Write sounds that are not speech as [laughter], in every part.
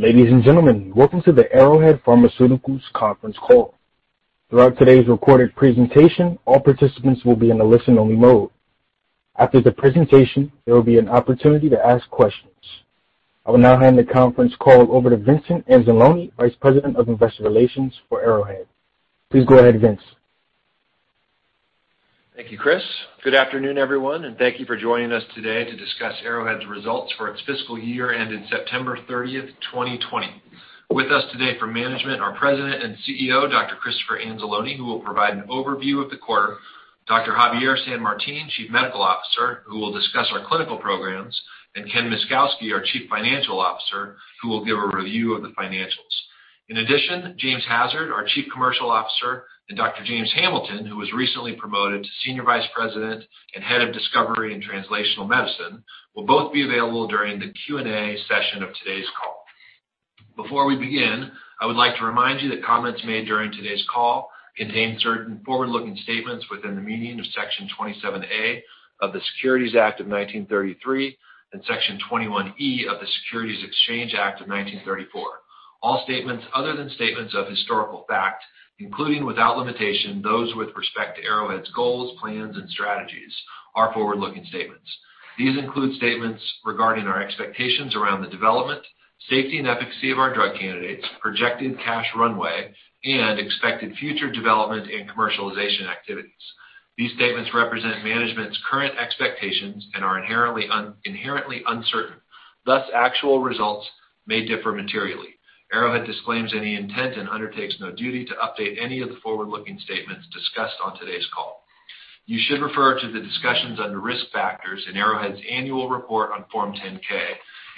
Ladies and gentlemen, welcome to the Arrowhead Pharmaceuticals conference call. Throughout today's recorded presentation, all participants will be in a listen-only mode. After the presentation, there will be an opportunity to ask questions. I will now hand the conference call over to Vincent Anzalone, Vice President of Investor Relations for Arrowhead. Please go ahead, Vince. Thank you, Chris. Good afternoon, everyone, and thank you for joining us today to discuss Arrowhead's results for its fiscal year ended September 30th, 2020. With us today for management, our President and CEO, Dr. Christopher Anzalone, who will provide an overview of the quarter, Dr. Javier San Martin, Chief Medical Officer, who will discuss our clinical programs, and Ken Myszkowski, our Chief Financial Officer, who will give a review of the financials. In addition, James Hassard, our Chief Commercial Officer, and Dr. James Hamilton, who was recently promoted to Senior Vice President and Head of Discovery and Translational Medicine, will both be available during the Q&A session of today's call. Before we begin, I would like to remind you that comments made during today's call contain certain forward-looking statements within the meaning of Section 27A of the Securities Act of 1933 and Section 21E of the Securities Exchange Act of 1934. All statements other than statements of historical fact, including without limitation those with respect to Arrowhead's goals, plans and strategies, are forward-looking statements. These include statements regarding our expectations around the development, safety, and efficacy of our drug candidates, projected cash runway, and expected future development and commercialization activities. These statements represent management's current expectations and are inherently uncertain. Thus, actual results may differ materially. Arrowhead disclaims any intent and undertakes no duty to update any of the forward-looking statements discussed on today's call. You should refer to the discussions under Risk Factors in Arrowhead's annual report on Form 10-K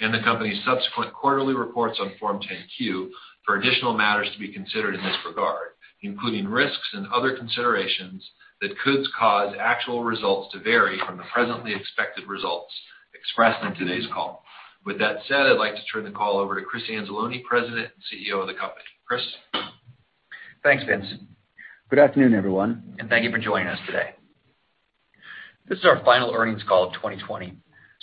and the company's subsequent quarterly reports on Form 10-Q for additional matters to be considered in this regard, including risks and other considerations that could cause actual results to vary from the presently expected results expressed on today's call. With that said, I'd like to turn the call over to Chris Anzalone, President and CEO of the company. Chris? Thanks, Vince. Good afternoon, everyone, and thank you for joining us today. This is our final earnings call of 2020.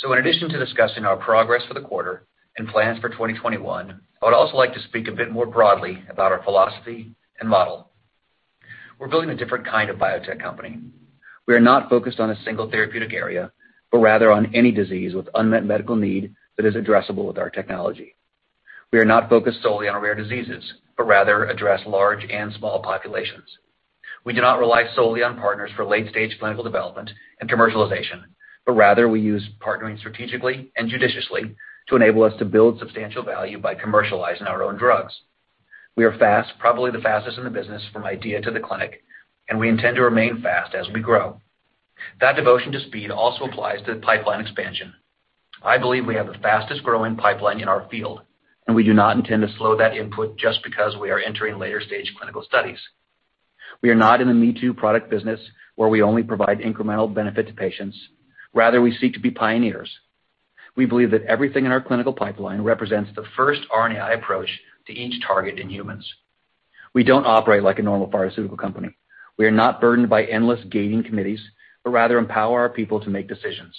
In addition to discussing our progress for the quarter and plans for 2021, I would also like to speak a bit more broadly about our philosophy and model. We're building a different kind of biotech company. We are not focused on a single therapeutic area, but rather on any disease with unmet medical need that is addressable with our technology. We are not focused solely on rare diseases, but rather address large and small populations. We do not rely solely on partners for late-stage clinical development and commercialization, but rather we use partnering strategically and judiciously to enable us to build substantial value by commercializing our own drugs. We are fast, probably the fastest in the business from idea to the clinic, and we intend to remain fast as we grow. That devotion to speed also applies to pipeline expansion. I believe we have the fastest growing pipeline in our field, and we do not intend to slow that input just because we are entering later-stage clinical studies. We are not in the me-too product business where we only provide incremental benefit to patients. Rather, we seek to be pioneers. We believe that everything in our clinical pipeline represents the first RNAi approach to each target in humans. We don't operate like a normal pharmaceutical company. We are not burdened by endless gating committees, but rather empower our people to make decisions.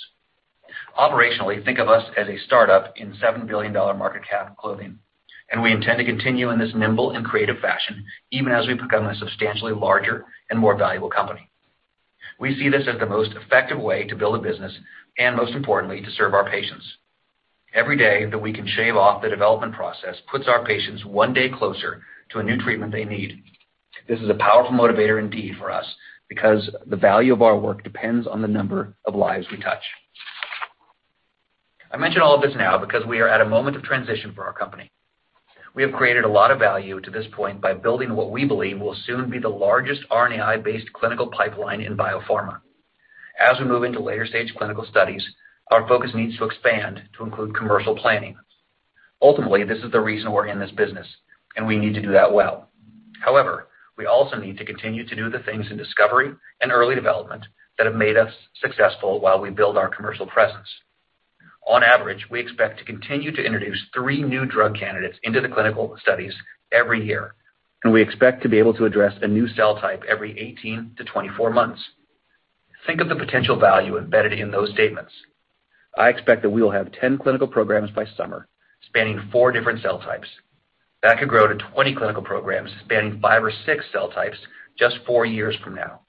Operationally, think of us as a startup in $7 billion market cap clothing. We intend to continue in this nimble and creative fashion, even as we become a substantially larger and more valuable company. We see this as the most effective way to build a business and, most importantly, to serve our patients. Every day that we can shave off the development process puts our patients one day closer to a new treatment they need. This is a powerful motivator indeed for us because the value of our work depends on the number of lives we touch. I mention all of this now because we are at a moment of transition for our company. We have created a lot of value to this point by building what we believe will soon be the largest RNAi-based clinical pipeline in biopharma. As we move into later-stage clinical studies, our focus needs to expand to include commercial planning. Ultimately, this is the reason we're in this business, and we need to do that well. However, we also need to continue to do the things in discovery and early development that have made us successful while we build our commercial presence. On average, we expect to continue to introduce three new drug candidates into the clinical studies every year, and we expect to be able to address a new cell type every 18-24 months. Think of the potential value embedded in those statements. I expect that we will have 10 clinical programs by summer, spanning four different cell types. That could grow to 20 clinical programs spanning five or six cell types just four years from now.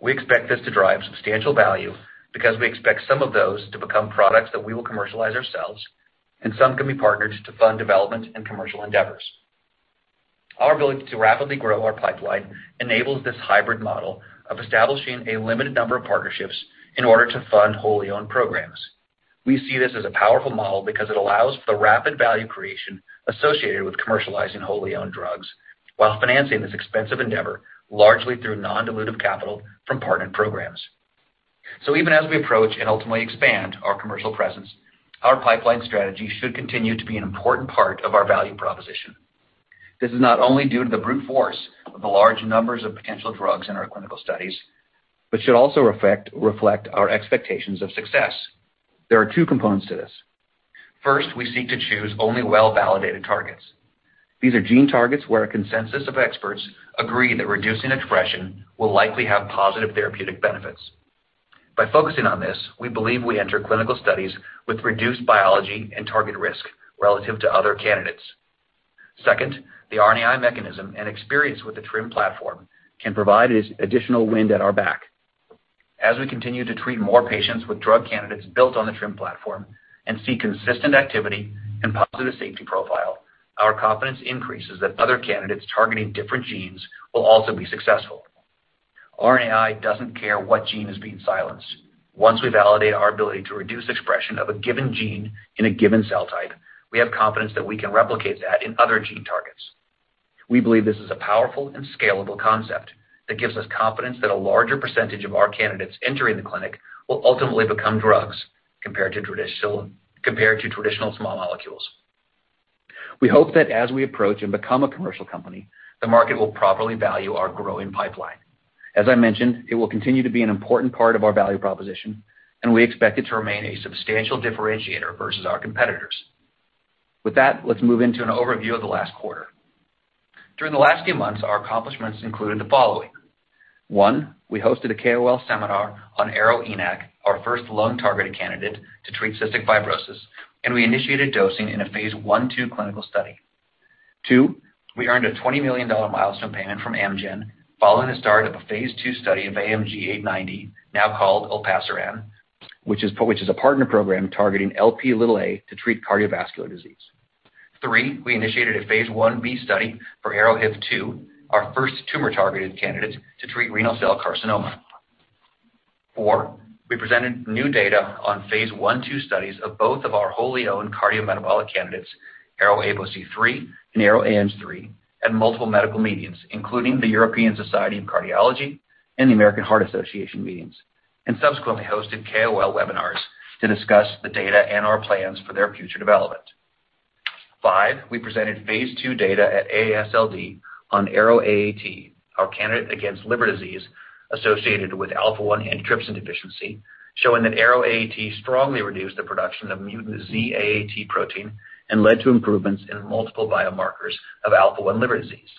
We expect this to drive substantial value because we expect some of those to become products that we will commercialize ourselves, and some can be partnered to fund development and commercial endeavors. Our ability to rapidly grow our pipeline enables this hybrid model of establishing a limited number of partnerships in order to fund wholly owned programs. We see this as a powerful model because it allows for the rapid value creation associated with commercializing wholly owned drugs while financing this expensive endeavor largely through non-dilutive capital from partnered programs. Even as we approach and ultimately expand our commercial presence, our pipeline strategy should continue to be an important part of our value proposition. This is not only due to the brute force of the large numbers of potential drugs in our clinical studies, but should also reflect our expectations of success. There are two components to this. First, we seek to choose only well-validated targets. These are gene targets where a consensus of experts agree that reducing expression will likely have positive therapeutic benefits. By focusing on this, we believe we enter clinical studies with reduced biology and target risk relative to other candidates. Second, the RNAi mechanism and experience with the TRiM platform can provide additional wind at our back. As we continue to treat more patients with drug candidates built on the TRiM platform and see consistent activity and positive safety profile, our confidence increases that other candidates targeting different genes will also be successful. RNAi doesn't care what gene is being silenced. Once we validate our ability to reduce expression of a given gene in a given cell type, we have confidence that we can replicate that in other gene targets. We believe this is a powerful and scalable concept that gives us confidence that a larger percentage of our candidates entering the clinic will ultimately become drugs compared to traditional small molecules. We hope that as we approach and become a commercial company, the market will properly value our growing pipeline. As I mentioned, it will continue to be an important part of our value proposition, and we expect it to remain a substantial differentiator versus our competitors. Let's move into an overview of the last quarter. During the last few months, our accomplishments included the following. One, we hosted a KOL seminar on ARO-ENaC, our first lung-targeted candidate to treat cystic fibrosis, and we initiated dosing in a phase I/II clinical study. Two, we earned a $20 million milestone payment from Amgen following the start of a phase II study of AMG 890, now called Olpasiran, which is a partner program targeting Lp(a) to treat cardiovascular disease. Three, we initiated a phase I-B study for ARO-HIF2, our first tumor-targeted candidate to treat renal cell carcinoma. Four, we presented new data on Phase I/II studies of both of our wholly-owned cardiometabolic candidates, ARO-APOC3 and ARO-ANG3, at multiple medical meetings, including the European Society of Cardiology and the American Heart Association meetings, and subsequently hosted KOL webinars to discuss the data and our plans for their future development. Five, we presented phase II data at AASLD on ARO-AAT, our candidate against liver disease associated with alpha-1 antitrypsin deficiency, showing that ARO-AAT strongly reduced the production of mutant Z-AAT protein and led to improvements in multiple biomarkers of alpha-1 liver disease.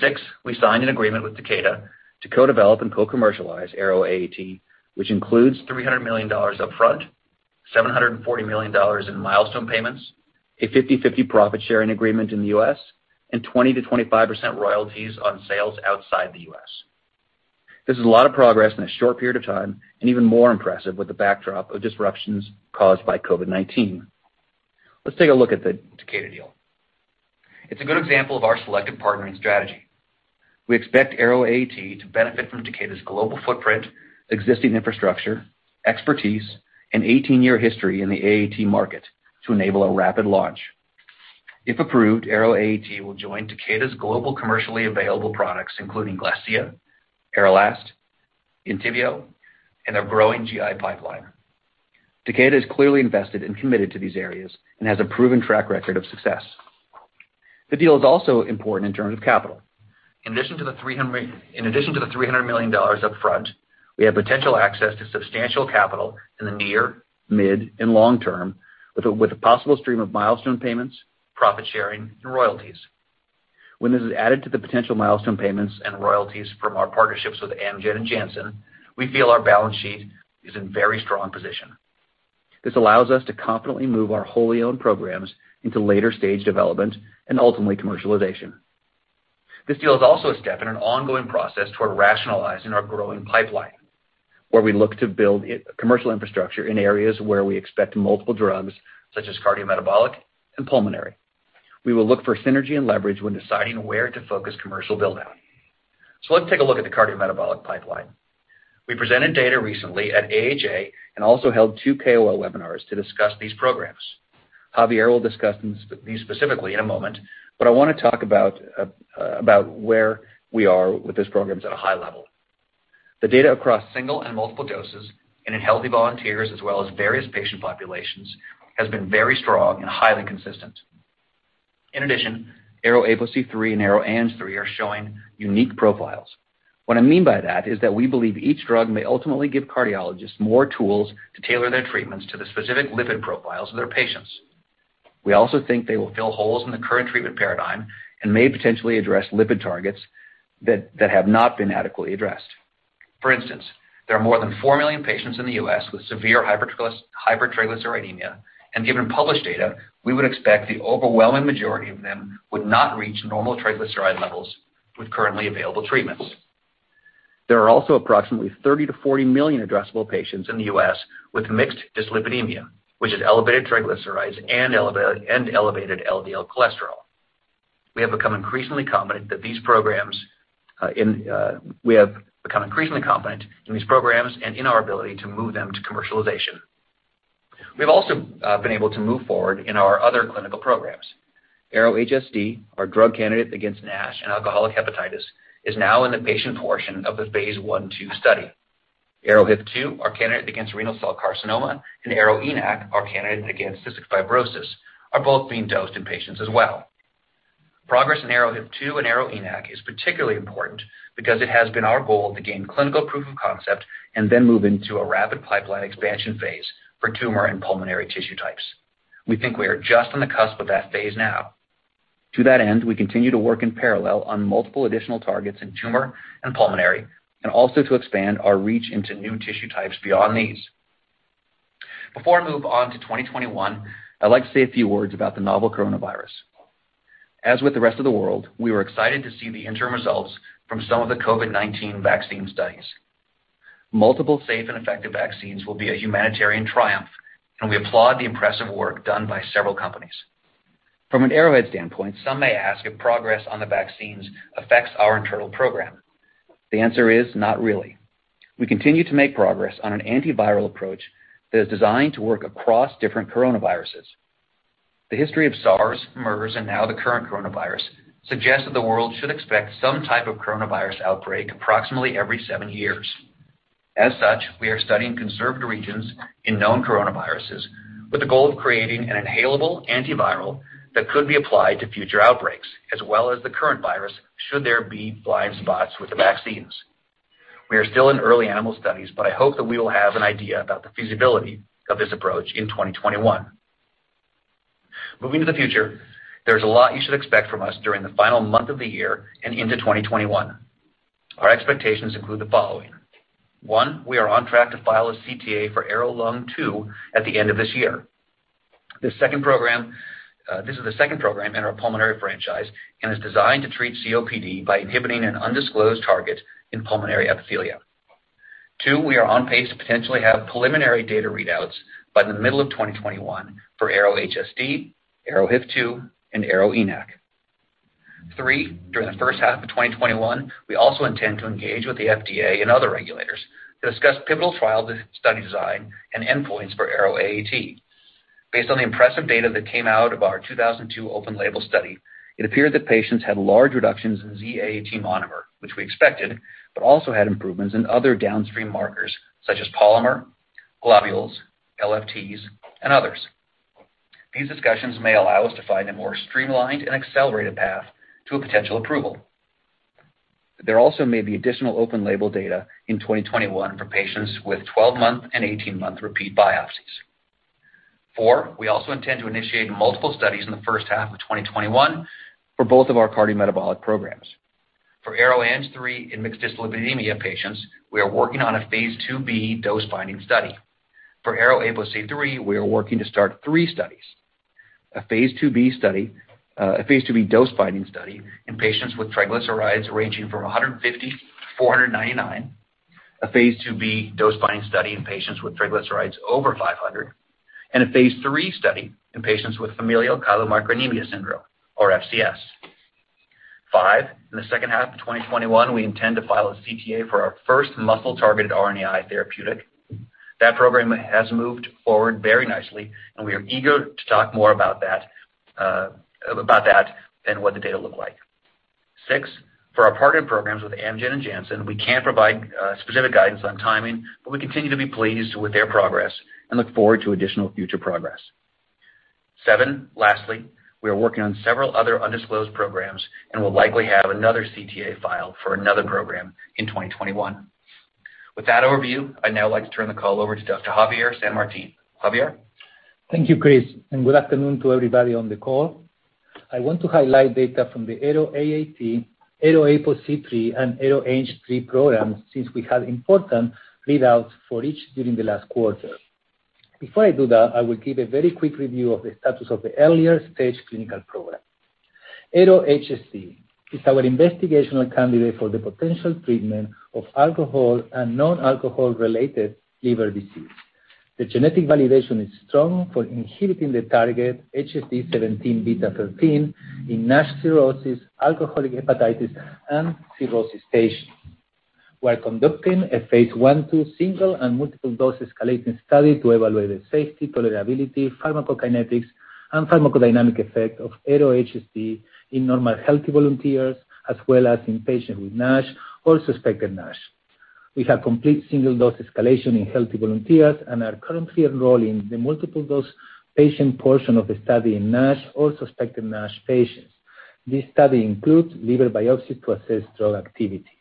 Six, we signed an agreement with Takeda to co-develop and co-commercialize ARO-AAT, which includes $300 million upfront, $740 million in milestone payments, a 50/50 profit-sharing agreement in the U.S., and 20%-25% royalties on sales outside the U.S. This is a lot of progress in a short period of time, and even more impressive with the backdrop of disruptions caused by COVID-19. Let's take a look at the Takeda deal. It's a good example of our selective partnering strategy. We expect ARO-AAT to benefit from Takeda's global footprint, existing infrastructure, expertise, and 18-year history in the AAT market to enable a rapid launch. If approved, ARO-AAT will join Takeda's global commercially available products, including GLASSIA, ARALAST, ENTYVIO, and their growing GI pipeline. Takeda is clearly invested and committed to these areas and has a proven track record of success. The deal is also important in terms of capital. In addition to the $300 million up front, we have potential access to substantial capital in the near, mid, and long term with a possible stream of milestone payments, profit sharing, and royalties. When this is added to the potential milestone payments and royalties from our partnerships with Amgen and Janssen, we feel our balance sheet is in very strong position. This allows us to confidently move our wholly owned programs into later-stage development and ultimately commercialization. This deal is also a step in an ongoing process toward rationalizing our growing pipeline, where we look to build commercial infrastructure in areas where we expect multiple drugs, such as cardiometabolic and pulmonary. We will look for synergy and leverage when deciding where to focus commercial build-out. Let's take a look at the cardiometabolic pipeline. We presented data recently at AHA and also held two KOL webinars to discuss these programs. Javier will discuss these specifically in a moment, but I want to talk about where we are with these programs at a high level. The data across single and multiple doses in healthy volunteers as well as various patient populations has been very strong and highly consistent. In addition, ARO-APOC3 and ARO-ANG3 are showing unique profiles. What I mean by that is that we believe each drug may ultimately give cardiologists more tools to tailor their treatments to the specific lipid profiles of their patients. We also think they will fill holes in the current treatment paradigm and may potentially address lipid targets that have not been adequately addressed. For instance, there are more than 4 million patients in the U.S. with severe hypertriglyceridemia, and given published data, we would expect the overwhelming majority of them would not reach normal triglyceride levels with currently available treatments. There are also approximately 30 million-40 million addressable patients in the U.S. with mixed dyslipidemia, which is elevated triglycerides and elevated LDL cholesterol. We have become increasingly confident in these programs and in our ability to move them to commercialization. We've also been able to move forward in our other clinical programs. ARO-HSD, our drug candidate against NASH and alcoholic hepatitis, is now in the patient portion of the phase I/II study. ARO-HIF2, our candidate against renal cell carcinoma, and ARO-ENaC, our candidate against cystic fibrosis, are both being dosed in patients as well. Progress in ARO-HIF2 and ARO-ENaC is particularly important because it has been our goal to gain clinical proof of concept and then move into a rapid pipeline expansion phase for tumor and pulmonary tissue types. We think we are just on the cusp of that phase now. To that end, we continue to work in parallel on multiple additional targets in tumor and pulmonary, and also to expand our reach into new tissue types beyond these. Before I move on to 2021, I'd like to say a few words about the novel coronavirus. As with the rest of the world, we were excited to see the interim results from some of the COVID-19 vaccine studies. Multiple safe and effective vaccines will be a humanitarian triumph. We applaud the impressive work done by several companies. From an Arrowhead standpoint, some may ask if progress on the vaccines affects our internal program. The answer is not really. We continue to make progress on an antiviral approach that is designed to work across different coronaviruses. The history of SARS, MERS, and now the current coronavirus suggests that the world should expect some type of coronavirus outbreak approximately every seven years. As such, we are studying conserved regions in known coronaviruses with the goal of creating an inhalable antiviral that could be applied to future outbreaks, as well as the current virus, should there be blind spots with the vaccines. We are still in early animal studies, but I hope that we will have an idea about the feasibility of this approach in 2021. Moving to the future, there's a lot you should expect from us during the final month of the year and into 2021. Our expectations include the following. One, we are on track to file a CTA for ARO-LUNG2 at the end of this year. This is the second program in our pulmonary franchise and is designed to treat COPD by inhibiting an undisclosed target in pulmonary epithelia. Two, we are on pace to potentially have preliminary data readouts by the middle of 2021 for ARO-HSD, ARO-HIF2, and ARO-ENaC. Three, during the first half of 2021, we also intend to engage with the FDA and other regulators to discuss pivotal trial study design and endpoints for ARO-AAT. Based on the impressive data that came out of our 2002 open label study, it appeared that patients had large reductions in Z-AAT monomer, which we expected, but also had improvements in other downstream markers such as polymer, globules, LFTs, and others. These discussions may allow us to find a more streamlined and accelerated path to a potential approval. There also may be additional open label data in 2021 for patients with 12-month and 18-month repeat biopsies. Four, we also intend to initiate multiple studies in the first half of 2021 for both of our cardiometabolic programs. For ARO-ANG3 in mixed dyslipidemia patients, we are working on a phase II-B dose-finding study. For ARO-APOC3, we are working to start three studies. A phase II-B dose-finding study in patients with triglycerides ranging from 150-499, a phase II-B dose-finding study in patients with triglycerides over 500, and a phase III study in patients with familial chylomicronemia syndrome, or FCS. Five, in the second half of 2021, we intend to file a CTA for our first muscle-targeted RNAi therapeutic. That program has moved forward very nicely, and we are eager to talk more about that and what the data look like. Six, for our partnered programs with Amgen and Janssen, we can't provide specific guidance on timing, but we continue to be pleased with their progress and look forward to additional future progress. Seven, lastly, we are working on several other undisclosed programs and will likely have another CTA filed for another program in 2021. With that overview, I'd now like to turn the call over to Dr. Javier San Martin. Javier? Thank you, Chris. Good afternoon to everybody on the call. I want to highlight data from the ARO-AAT, ARO-APOC3, and ARO-ANG3 programs, since we had important readouts for each during the last quarter. Before I do that, I will give a very quick review of the status of the earlier-stage clinical program. ARO-HSD is our investigational candidate for the potential treatment of alcohol and non-alcohol-related liver disease. The genetic validation is strong for inhibiting the target HSD17B13 in NASH cirrhosis, alcoholic hepatitis, and cirrhosis patients. We're conducting a phase I/II single and multiple dose escalation study to evaluate the safety, tolerability, pharmacokinetics, and pharmacodynamic effect of ARO-HSD in normal healthy volunteers, as well as in patients with NASH or suspected NASH. We have complete single-dose escalation in healthy volunteers and are currently enrolling the multiple-dose patient portion of the study in NASH or suspected NASH patients. This study includes liver biopsy to assess drug activity.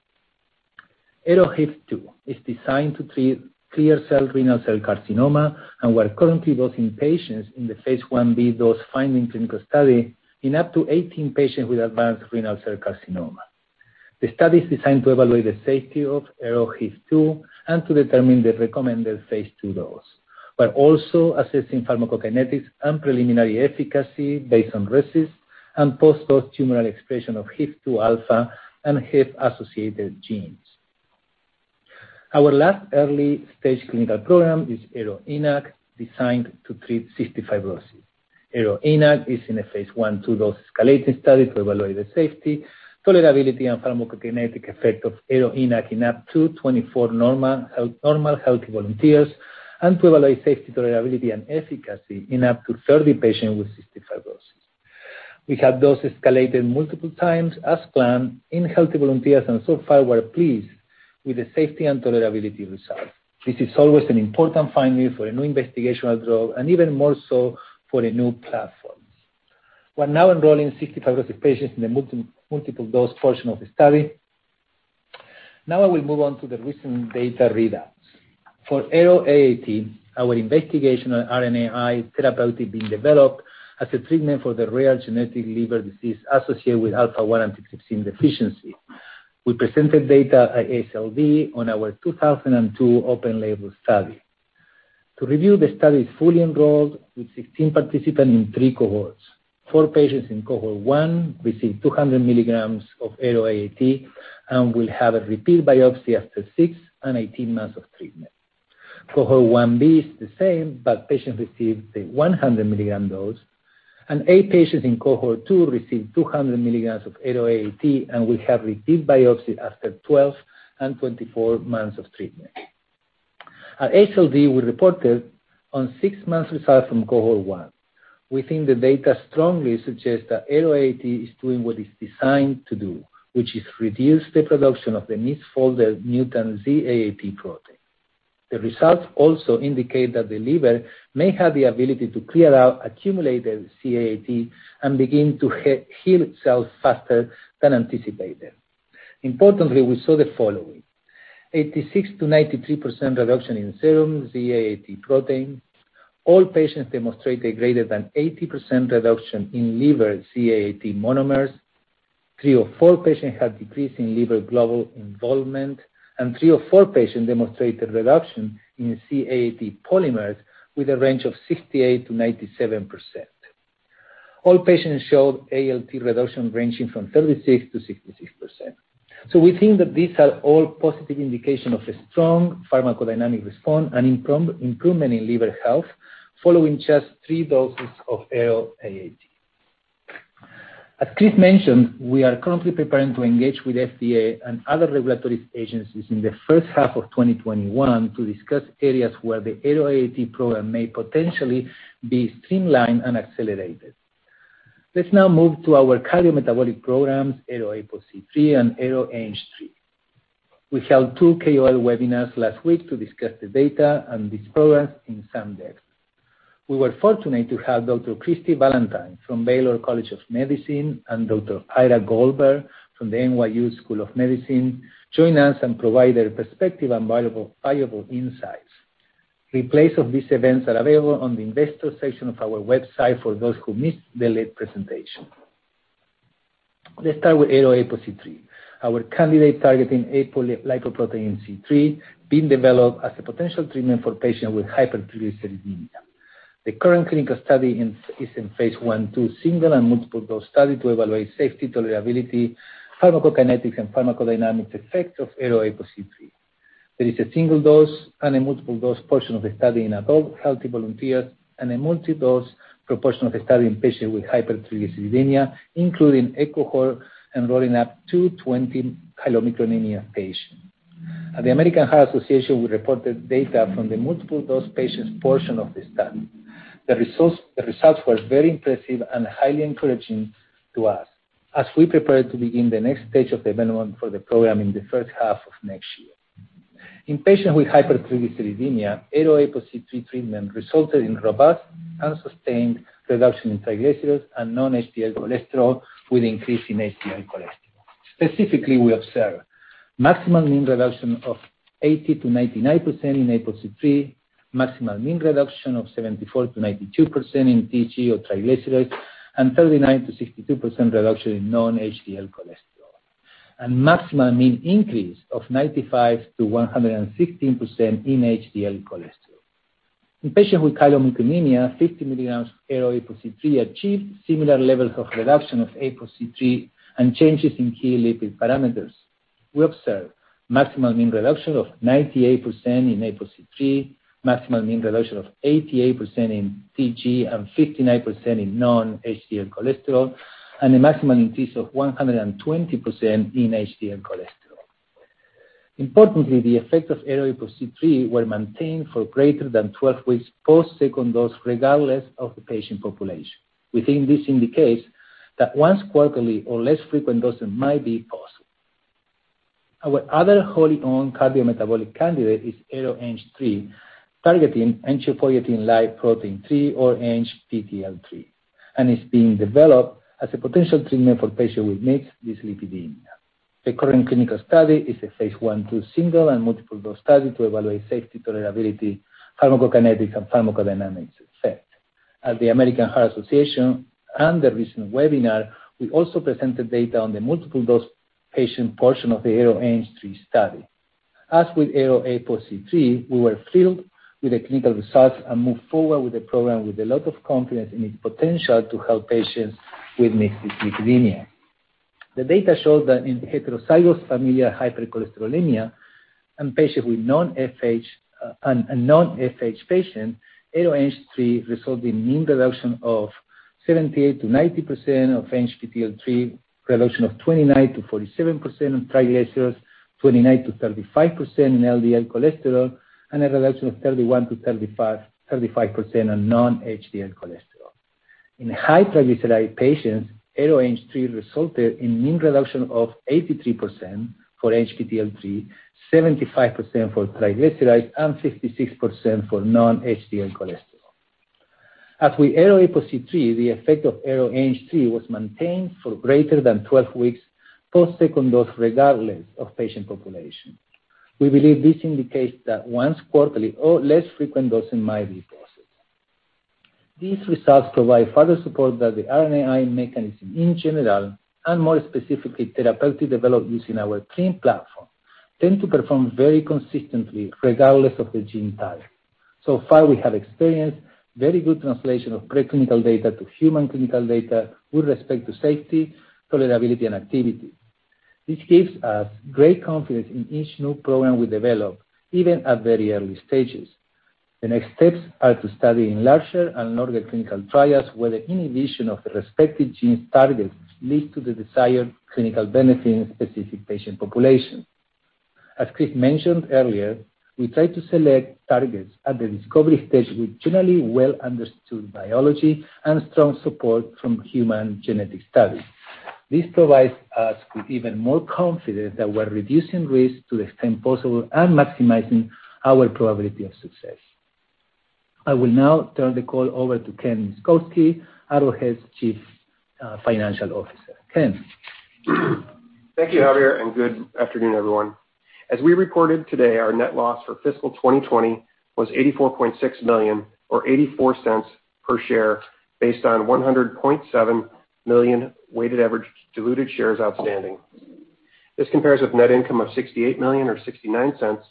ARO-HIF2 is designed to treat clear cell renal cell carcinoma and we're currently dosing patients in the phase I-B dose-finding clinical study in up to 18 patients with advanced renal cell carcinoma. The study is designed to evaluate the safety of ARO-HIF2 and to determine the recommended phase II dose, but also assessing pharmacokinetics and preliminary efficacy based on RECIST and post-dose tumor expression of HIF2α and HIF-associated genes. Our last early-stage clinical program is ARO-ENaC, designed to treat cystic fibrosis. ARO-ENaC is in a phase I/II dose-escalating study to evaluate the safety, tolerability, and pharmacokinetic effect of ARO-ENaC in up to 24 normal healthy volunteers, and to evaluate safety, tolerability, and efficacy in up to 30 patients with cystic fibrosis. We have dose escalated multiple times as planned in healthy volunteers, so far we're pleased with the safety and tolerability results. This is always an important finding for a new investigational drug and even more so for a new platform. We're now enrolling cystic fibrosis patients in the multiple-dose portion of the study. I will move on to the recent data readouts. For ARO-AAT, our investigational RNAi therapeutic being developed as a treatment for the rare genetic liver disease associated with alpha-1 antitrypsin deficiency. We presented data at AASLD on our 2002 open label study. To review, the study is fully enrolled with 16 participants in three cohorts. Four patients in cohort one received 200 mg of ARO-AAT and will have a repeat biopsy after six and 18 months of treatment. Cohort 1B is the same, patients received a 100-milligram dose. Eight patients in cohort two received 200 mg of ARO-AAT and will have repeat biopsy after 12 and 24 months of treatment. At AASLD, we reported on six months results from cohort 1. We think the data strongly suggests that ARO-AAT is doing what it's designed to do, which is reduce the production of the misfolded mutant Z-AAT protein. The results also indicate that the liver may have the ability to clear out accumulated Z-AAT and begin to heal itself faster than anticipated. Importantly, we saw the following: 86%-93% reduction in serum Z-AAT protein. All patients demonstrated greater than 80% reduction in liver Z-AAT monomers. Three of four patients had decrease in liver globule involvement, and three of four patients demonstrated reduction in Z-AAT polymers with a range of 68%-97%. All patients showed ALT reduction ranging from 36%-66%. We think that these are all positive indication of a strong pharmacodynamic response and improvement in liver health following just three doses of ARO-AAT. As Chris mentioned, we are currently preparing to engage with FDA and other regulatory agencies in the first half of 2021 to discuss areas where the ARO-AAT program may potentially be streamlined and accelerated. Let's now move to our cardiometabolic programs, ARO-APOC3 and ARO-ANG3. We held two KOL webinars last week to discuss the data and this progress in some depth. We were fortunate to have Dr. Christie Ballantyne from Baylor College of Medicine and Dr. Ira Goldberg from the NYU School of Medicine join us and provide their perspective and valuable insights. Replays of these events are available on the investor section of our website for those who missed the live presentation. Let's start with ARO-APOC3, our candidate targeting apolipoprotein C3, being developed as a potential treatment for patients with hypertriglyceridemia. The current clinical study is in phase I/II, single and multiple-dose study to evaluate safety, tolerability, pharmacokinetic, and pharmacodynamic effect of ARO-APOC3. There is a single dose and a multiple-dose portion of the study in adult healthy volunteers, and a multiple-dose portion of the study in patients with hypertriglyceridemia, including a cohort enrolling up to 20 chylomicronemia patients. At the American Heart Association, we reported data from the multiple-dose patients portion of the study. The results were very impressive and highly encouraging to us as we prepare to begin the next stage of development for the program in the first half of next year. In patients with hypertriglyceridemia, ARO-APOC3 treatment resulted in robust and sustained reduction in triglycerides and non-HDL cholesterol with increase in HDL cholesterol. Specifically, we observed maximum mean reduction of 80%-99% in APOC3, maximum mean reduction of 74%-92% in TG or triglycerides, and 39%-62% reduction in non-HDL cholesterol, and maximum mean increase of 95%-116% in HDL cholesterol. In patients with chylomicronemia, 50 mg of ARO-APOC3 achieved similar levels of reduction of APOC3 and changes in key lipid parameters. We observed maximum mean reduction of 98% in APOC3, maximum mean reduction of 88% in TG and 59% in non-HDL cholesterol, and a maximum increase of 120% in HDL cholesterol. Importantly, the effect of ARO-APOC3 were maintained for greater than 12 weeks post-second dose regardless of the patient population. We think this indicates that once quarterly or less frequent dosing might be possible. Our other wholly owned cardiometabolic candidate is ARO-ANG3, targeting angiopoietin-like protein 3 or ANGPTL3, and is being developed as a potential treatment for patients with mixed dyslipidemia. The current clinical study is a phase I/II single and multiple-dose study to evaluate safety, tolerability, pharmacokinetic, and pharmacodynamic effect. At the American Heart Association and the recent webinar, we also presented data on the multiple-dose patient portion of the ARO-ANG3 study. As with ARO-APOC3, we were thrilled with the clinical results and moved forward with the program with a lot of confidence in its potential to help patients with mixed dyslipidemia. The data showed that in heterozygous familial hypercholesterolemia and non-FH patients, ARO-ANG3 resulted in mean reduction of 78%-90% of ANGPTL3, reduction of 29%-47% in triglycerides, 29%-35% in LDL cholesterol, and a reduction of 31%-35% in non-HDL cholesterol. In high triglyceride patients, ARO-ANG3 resulted in mean reduction of 83% for ANGPTL3, 75% for triglycerides, and 66% for non-HDL cholesterol. As with ARO-APOC3, the effect of ARO-ANG3 was maintained for greater than 12 weeks post-second dose, regardless of patient population. We believe this indicates that once quarterly or less frequent dosing might be possible. These results provide further support that the RNAi mechanism in general, and more specifically, therapeutics developed using our TRiM platform, tend to perform very consistently regardless of the gene target. So far, we have experienced very good translation of preclinical data to human clinical data with respect to safety, tolerability, and activity. This gives us great confidence in each new program we develop, even at very early stages. The next steps are to study in larger and longer clinical trials whether inhibition of the respective genes targets lead to the desired clinical benefit in specific patient populations. As Chris mentioned earlier, we try to select targets at the discovery stage with generally well-understood biology and strong support from human genetic studies. This provides us with even more confidence that we're reducing risk to the extent possible and maximizing our probability of success. I will now turn the call over to Ken Myszkowski, Arrowhead's Chief Financial Officer. Ken. Thank you, Javier. Good afternoon, everyone. As we reported today, our net loss for fiscal 2020 was $84.6 million or $0.84 per share based on 100.7 million weighted average diluted shares outstanding. This compares with net income of $68 million or $0.69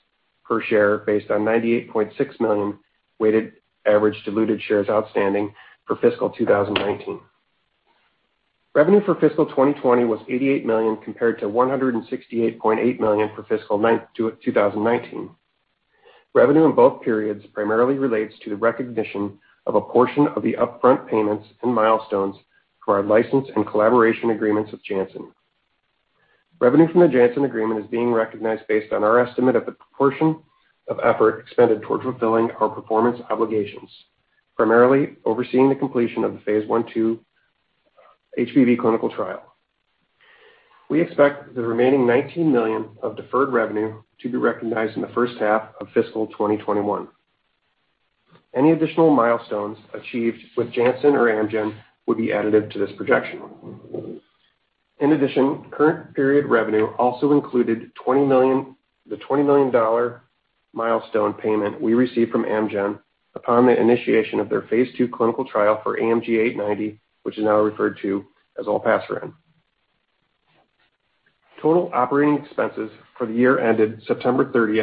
per share based on 98.6 million weighted average diluted shares outstanding for fiscal 2019. Revenue for fiscal 2020 was $88 million compared to $168.8 million for fiscal 2019. Revenue in both periods primarily relates to the recognition of a portion of the upfront payments and milestones for our license and collaboration agreements with Janssen. Revenue from the Janssen agreement is being recognized based on our estimate of the proportion of effort expended towards fulfilling our performance obligations, primarily overseeing the completion of the phase I/II HBV clinical trial. We expect the remaining $19 million of deferred revenue to be recognized in the first half of fiscal 2021. Any additional milestones achieved with Janssen or Amgen would be additive to this projection. In addition, current period revenue also included the $20 million milestone payment we received from Amgen upon the initiation of their phase II clinical trial for AMG 890, which is now referred to as Olpasiran. Total operating expenses for the year ended September 30,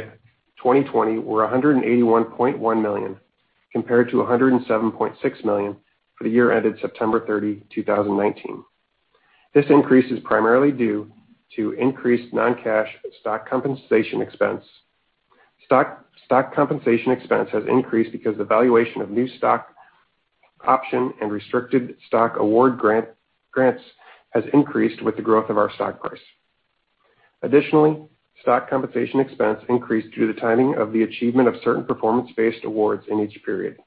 2020, were $181.1 million, compared to $107.6 million for the year ended September 30, 2019. This increase is primarily due to increased non-cash stock compensation expense. Stock compensation expense has increased because the valuation of new stock option and restricted stock award grants has increased with the growth of our stock price. Additionally, stock compensation expense increased due to the timing of the achievement of certain performance-based awards in each period.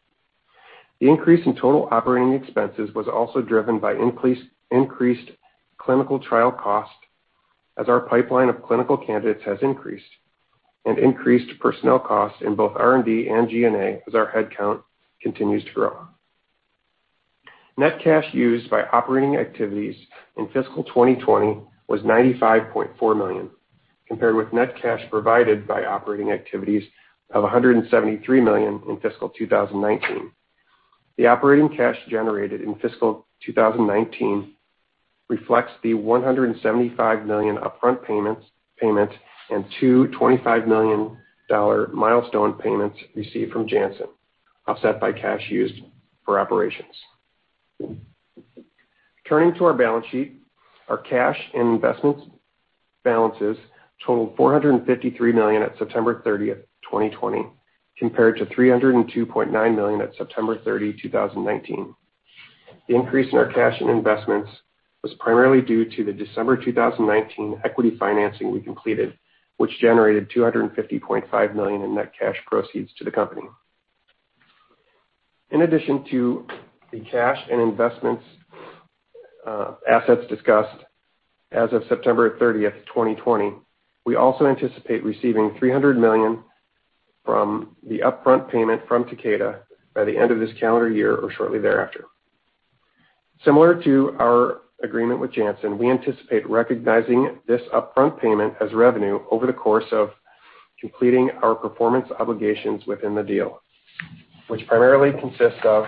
The increase in total operating expenses was also driven by increased clinical trial cost as our pipeline of clinical candidates has increased and increased personnel costs in both R&D and G&A as our head count continues to grow. Net cash used by operating activities in fiscal 2020 was $95.4 million, compared with net cash provided by operating activities of $173 million in fiscal 2019. The operating cash generated in fiscal 2019 reflects the $175 million upfront payment and two $25 million milestone payments received from Janssen, offset by cash used for operations. Turning to our balance sheet, our cash and investments balances totaled $453 million at September 30th, 2020, compared to $302.9 million at September 30, 2019. The increase in our cash and investments was primarily due to the December 2019 equity financing we completed, which generated $250.5 million in net cash proceeds to the company. In addition to the cash and investments assets discussed as of September 30, 2020, we also anticipate receiving $300 million from the upfront payment from Takeda by the end of this calendar year or shortly thereafter. Similar to our agreement with Janssen, we anticipate recognizing this upfront payment as revenue over the course of completing our performance obligations within the deal, which primarily consists of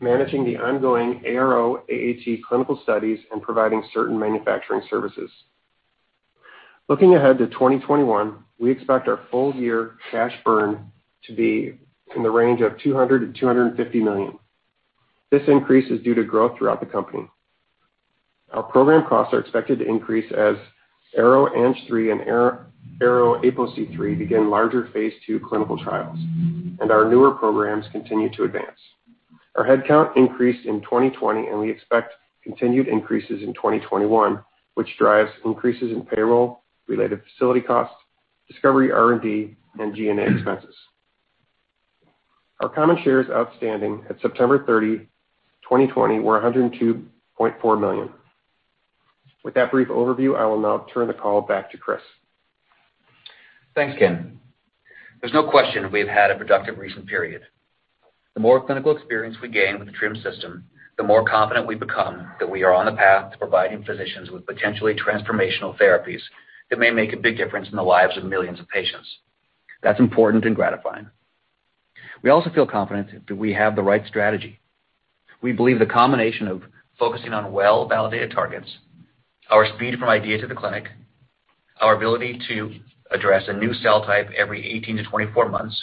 managing the ongoing ARO-AAT clinical studies and providing certain manufacturing services. Looking ahead to 2021, we expect our full year cash burn to be in the range of $200 million-$250 million. This increase is due to growth throughout the company. Our program costs are expected to increase as ARO-ANG3 and ARO-APOC3 begin larger phase II clinical trials, and our newer programs continue to advance. Our head count increased in 2020, and we expect continued increases in 2021, which drives increases in payroll, related facility costs, discovery R&D, and G&A expenses. Our common shares outstanding at September 30, 2020, were 102.4 million. With that brief overview, I will now turn the call back to Chris. Thanks, Ken. There's no question we've had a productive recent period. The more clinical experience we gain with the TRiM system, the more confident we become that we are on a path to providing physicians with potentially transformational therapies that may make a big difference in the lives of millions of patients. That's important and gratifying. We also feel confident that we have the right strategy. We believe the combination of focusing on well-validated targets, our speed from idea to the clinic, our ability to address a new cell type every 18 to 24 months,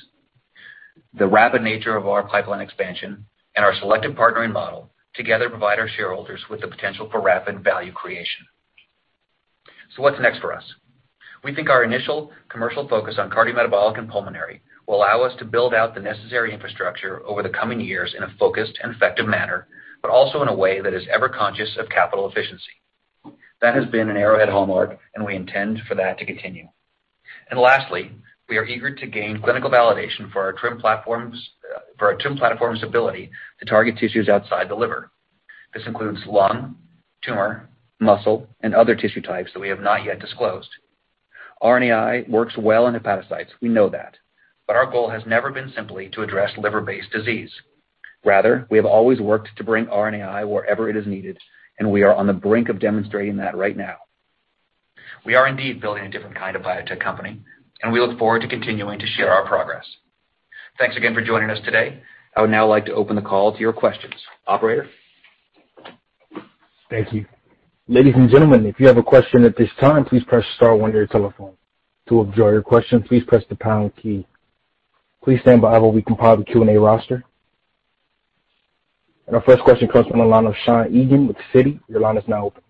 the rapid nature of our pipeline expansion, and our selective partnering model together provide our shareholders with the potential for rapid value creation. What's next for us? We think our initial commercial focus on cardiometabolic and pulmonary will allow us to build out the necessary infrastructure over the coming years in a focused and effective manner, but also in a way that is ever conscious of capital efficiency. That has been an Arrowhead hallmark, and we intend for that to continue. Lastly, we are eager to gain clinical validation for our TRiM platform's ability to target tissues outside the liver. This includes lung, tumor, muscle, and other tissue types that we have not yet disclosed. RNAi works well in hepatocytes. We know that. Our goal has never been simply to address liver-based disease. Rather, we have always worked to bring RNAi wherever it is needed, and we are on the brink of demonstrating that right now. We are indeed building a different kind of biotech company. We look forward to continuing to share our progress. Thanks again for joining us today. I would now like to open the call to your questions. Operator? Thank you. Ladies and gentlemen, if you have a question at this time, please press star one on your telephone. To withdraw your question, please press the pound key. Please stand by while we compile the Q&A roster. Our first question comes from the line of Shawn Egan with Citi. Your line is now open.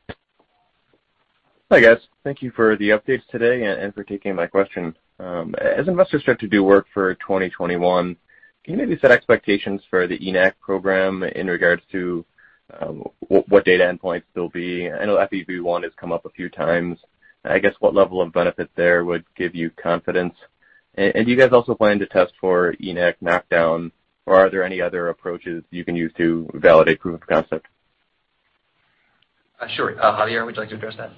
Hi, guys. Thank you for the updates today and for taking my question. As investors start to do work for 2021, can you maybe set expectations for the ENaC program in regards to what data endpoints they'll be? I know FEV1 has come up a few times, I guess what level of benefit there would give you confidence. Do you guys also plan to test for ENaC knockdown, or are there any other approaches you can use to validate proof of concept? Sure. Javier, would you like to address that?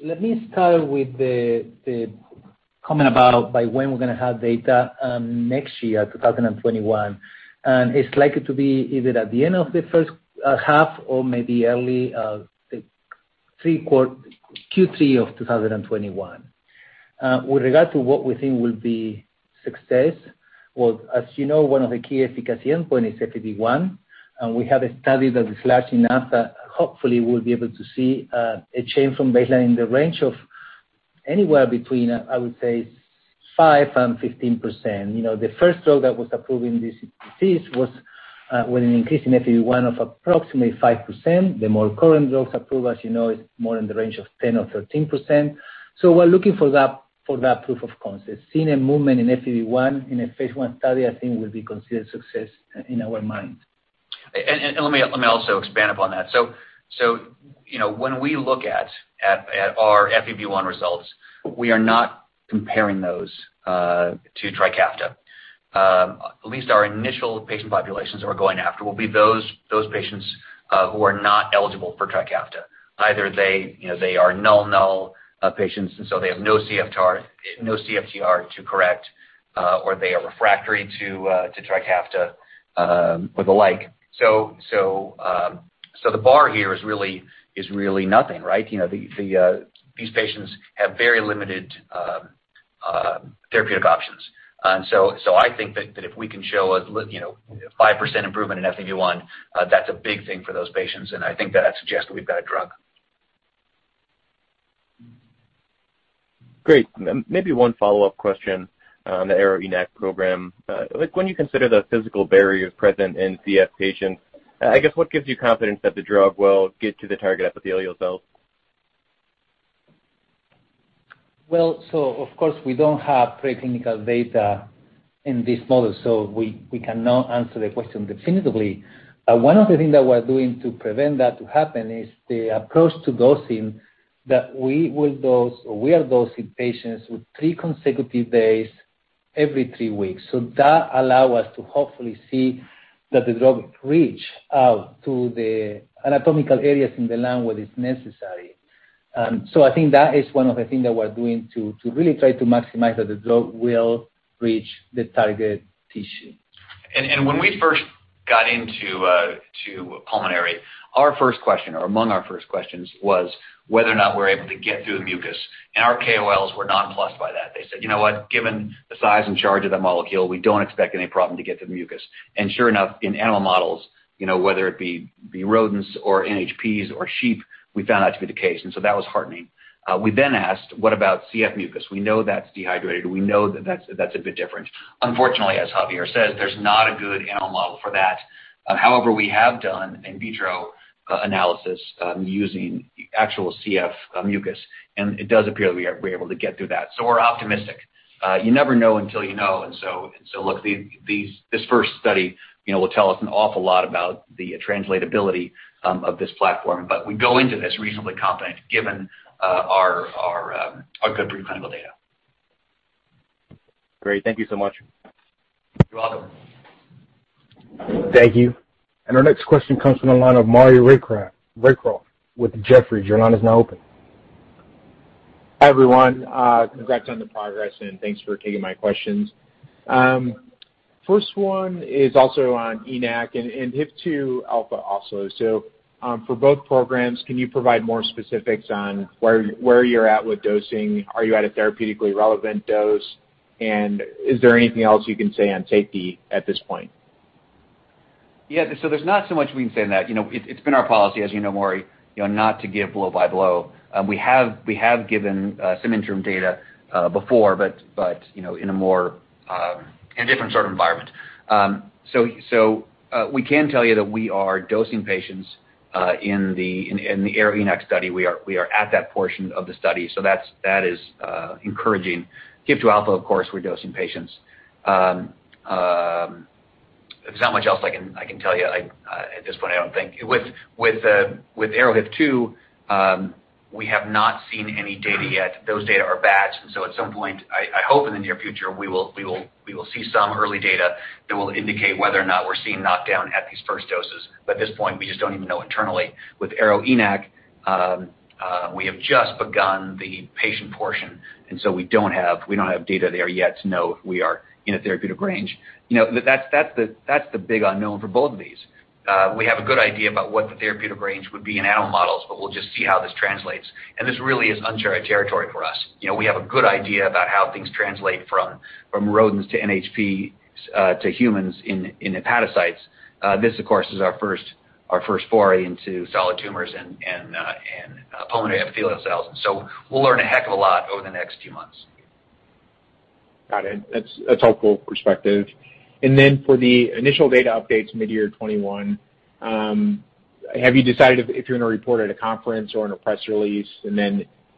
Let me start with the comment about by when we're going to have data, next year 2021, it's likely to be either at the end of the first half or maybe early Q3 of 2021. With regard to what we think will be success, well, as you know, one of the key efficacy endpoint is FEV1, we have a study that is lasting enough that hopefully we'll be able to see a change from baseline in the range of anywhere between, I would say, 5% and 15%. The first drug that was approved in this disease was with an increase in FEV1 of approximately 5%. The more current drugs approved, as you know, is more in the range of 10% or 13%. We're looking for that proof of concept. Seeing a movement in FEV1 in a phase I study, I think, will be considered success in our mind. Let me also expand upon that. When we look at our FEV1 results, we are not comparing those to Trikafta. At least our initial patient populations that we're going after will be those patients who are not eligible for Trikafta. Either they are null-null patients, and so they have no CFTR to correct, or they are refractory to Trikafta, or the like. The bar here is really nothing, right? These patients have very limited therapeutic options. I think that if we can show a 5% improvement in FEV1, that's a big thing for those patients, and I think that suggests that we've got a drug. Great. Maybe one follow-up question on the ARO-ENaC program. When you consider the physical barriers present in CF patients, I guess what gives you confidence that the drug will get to the target epithelial cells? Of course, we don't have pre-clinical data in this model, so we cannot answer the question definitively. One of the things that we're doing to prevent that to happen is the approach to dosing that we will dose, or we are dosing patients with three consecutive days every three weeks. That allow us to hopefully see that the drug reach out to the anatomical areas in the lung where it's necessary. I think that is one of the things that we're doing to really try to maximize that the drug will reach the target tissue. When we first got into pulmonary, our first question, or among our first questions, was whether or not we're able to get through the mucus. Our KOLs were not plussed by that. They said, "You know what? Given the size and charge of the molecule, we don't expect any problem to get through the mucus." Sure enough, in animal models, whether it be rodents or NHPs or sheep, we found that to be the case. That was heartening. We then asked, what about CF mucus? We know that's dehydrated. We know that that's a bit different. Unfortunately, as Javier says, there's not a good animal model for that. However, we have done in vitro analysis using actual CF mucus, and it does appear that we're able to get through that. We're optimistic. You never know until you know, look, this first study will tell us an awful lot about the translatability of this platform, but we go into this reasonably confident given our good pre-clinical data. Great. Thank you so much. You're welcome. Thank you. Our next question comes from the line of Maury Raycroft with Jefferies. Your line is now open. Hi, everyone. Congrats on the progress, thanks for taking my questions. First one is also on ENaC and HIF2α also. For both programs, can you provide more specifics on where you're at with dosing? Are you at a therapeutically relevant dose? Is there anything else you can say on safety at this point? There's not so much we can say on that. It's been our policy, as you know, Maury, not to give blow by blow. We have given some interim data before, in a different sort of environment. We can tell you that we are dosing patients in the ARO-ENaC study. We are at that portion of the study, that is encouraging. HIF2α, of course, we're dosing patients. There's not much else I can tell you at this point, I don't think. With ARO-HIF2, we have not seen any data yet. Those data are batched, at some point, I hope in the near future, we will see some early data that will indicate whether or not we're seeing knockdown at these first doses. At this point, we just don't even know internally. With ARO-ENaC, we have just begun the patient portion. We don't have data there yet to know if we are in a therapeutic range. That's the big unknown for both of these. We have a good idea about what the therapeutic range would be in animal models. We'll just see how this translates. This really is uncharted territory for us. We have a good idea about how things translate from rodents to NHP to humans in hepatocytes. This, of course, is our first foray into solid tumors and pulmonary epithelial cells. We'll learn a heck of a lot over the next few months. Got it. That's helpful perspective. For the initial data updates mid-year 2021, have you decided if you're going to report at a conference or in a press release?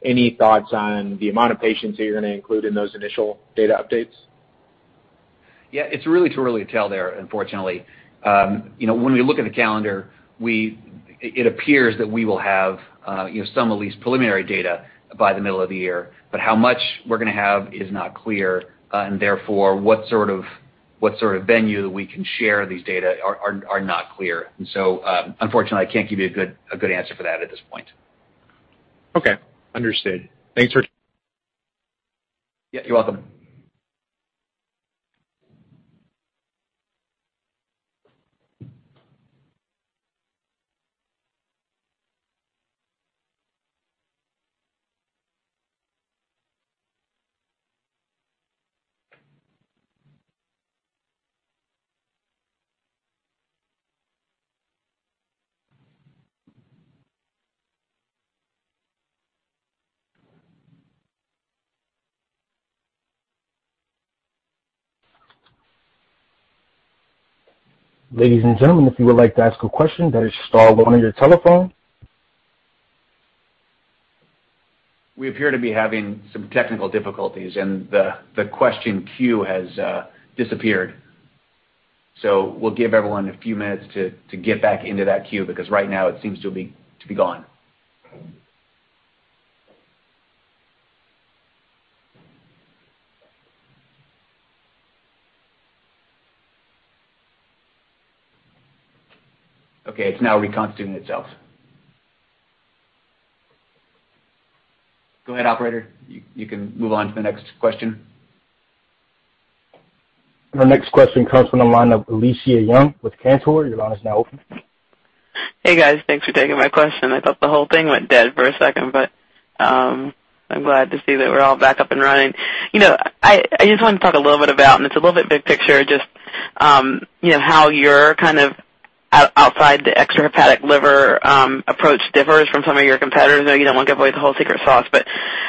Any thoughts on the amount of patients that you're going to include in those initial data updates? Yeah, it's really too early to tell there, unfortunately. When we look at the calendar, it appears that we will have some of least preliminary data by the middle of the year. How much we're going to have is not clear, therefore, what sort of venue we can share these data are not clear. Unfortunately, I can't give you a good answer for that at this point. Okay. Understood. Thanks for. Yeah, you're welcome. Ladies and gentlemen, if you would like to ask a question, that is star one on your telephone. We appear to be having some technical difficulties, and the question queue has disappeared. We'll give everyone a few minutes to get back into that queue, because right now it seems to be gone. Okay, it's now reconstituting itself. Go ahead, operator. You can move on to the next question. Our next question comes from the line of Alethia Young with Cantor. Your line is now open. Hey, guys. Thanks for taking my question. I thought the whole thing went dead for a second, but I'm glad to see that we're all back up and running. I just wanted to talk a little bit about, it's a little bit big picture, just how your outside the extrahepatic liver approach differs from some of your competitors. I know you don't want to give away the whole secret sauce,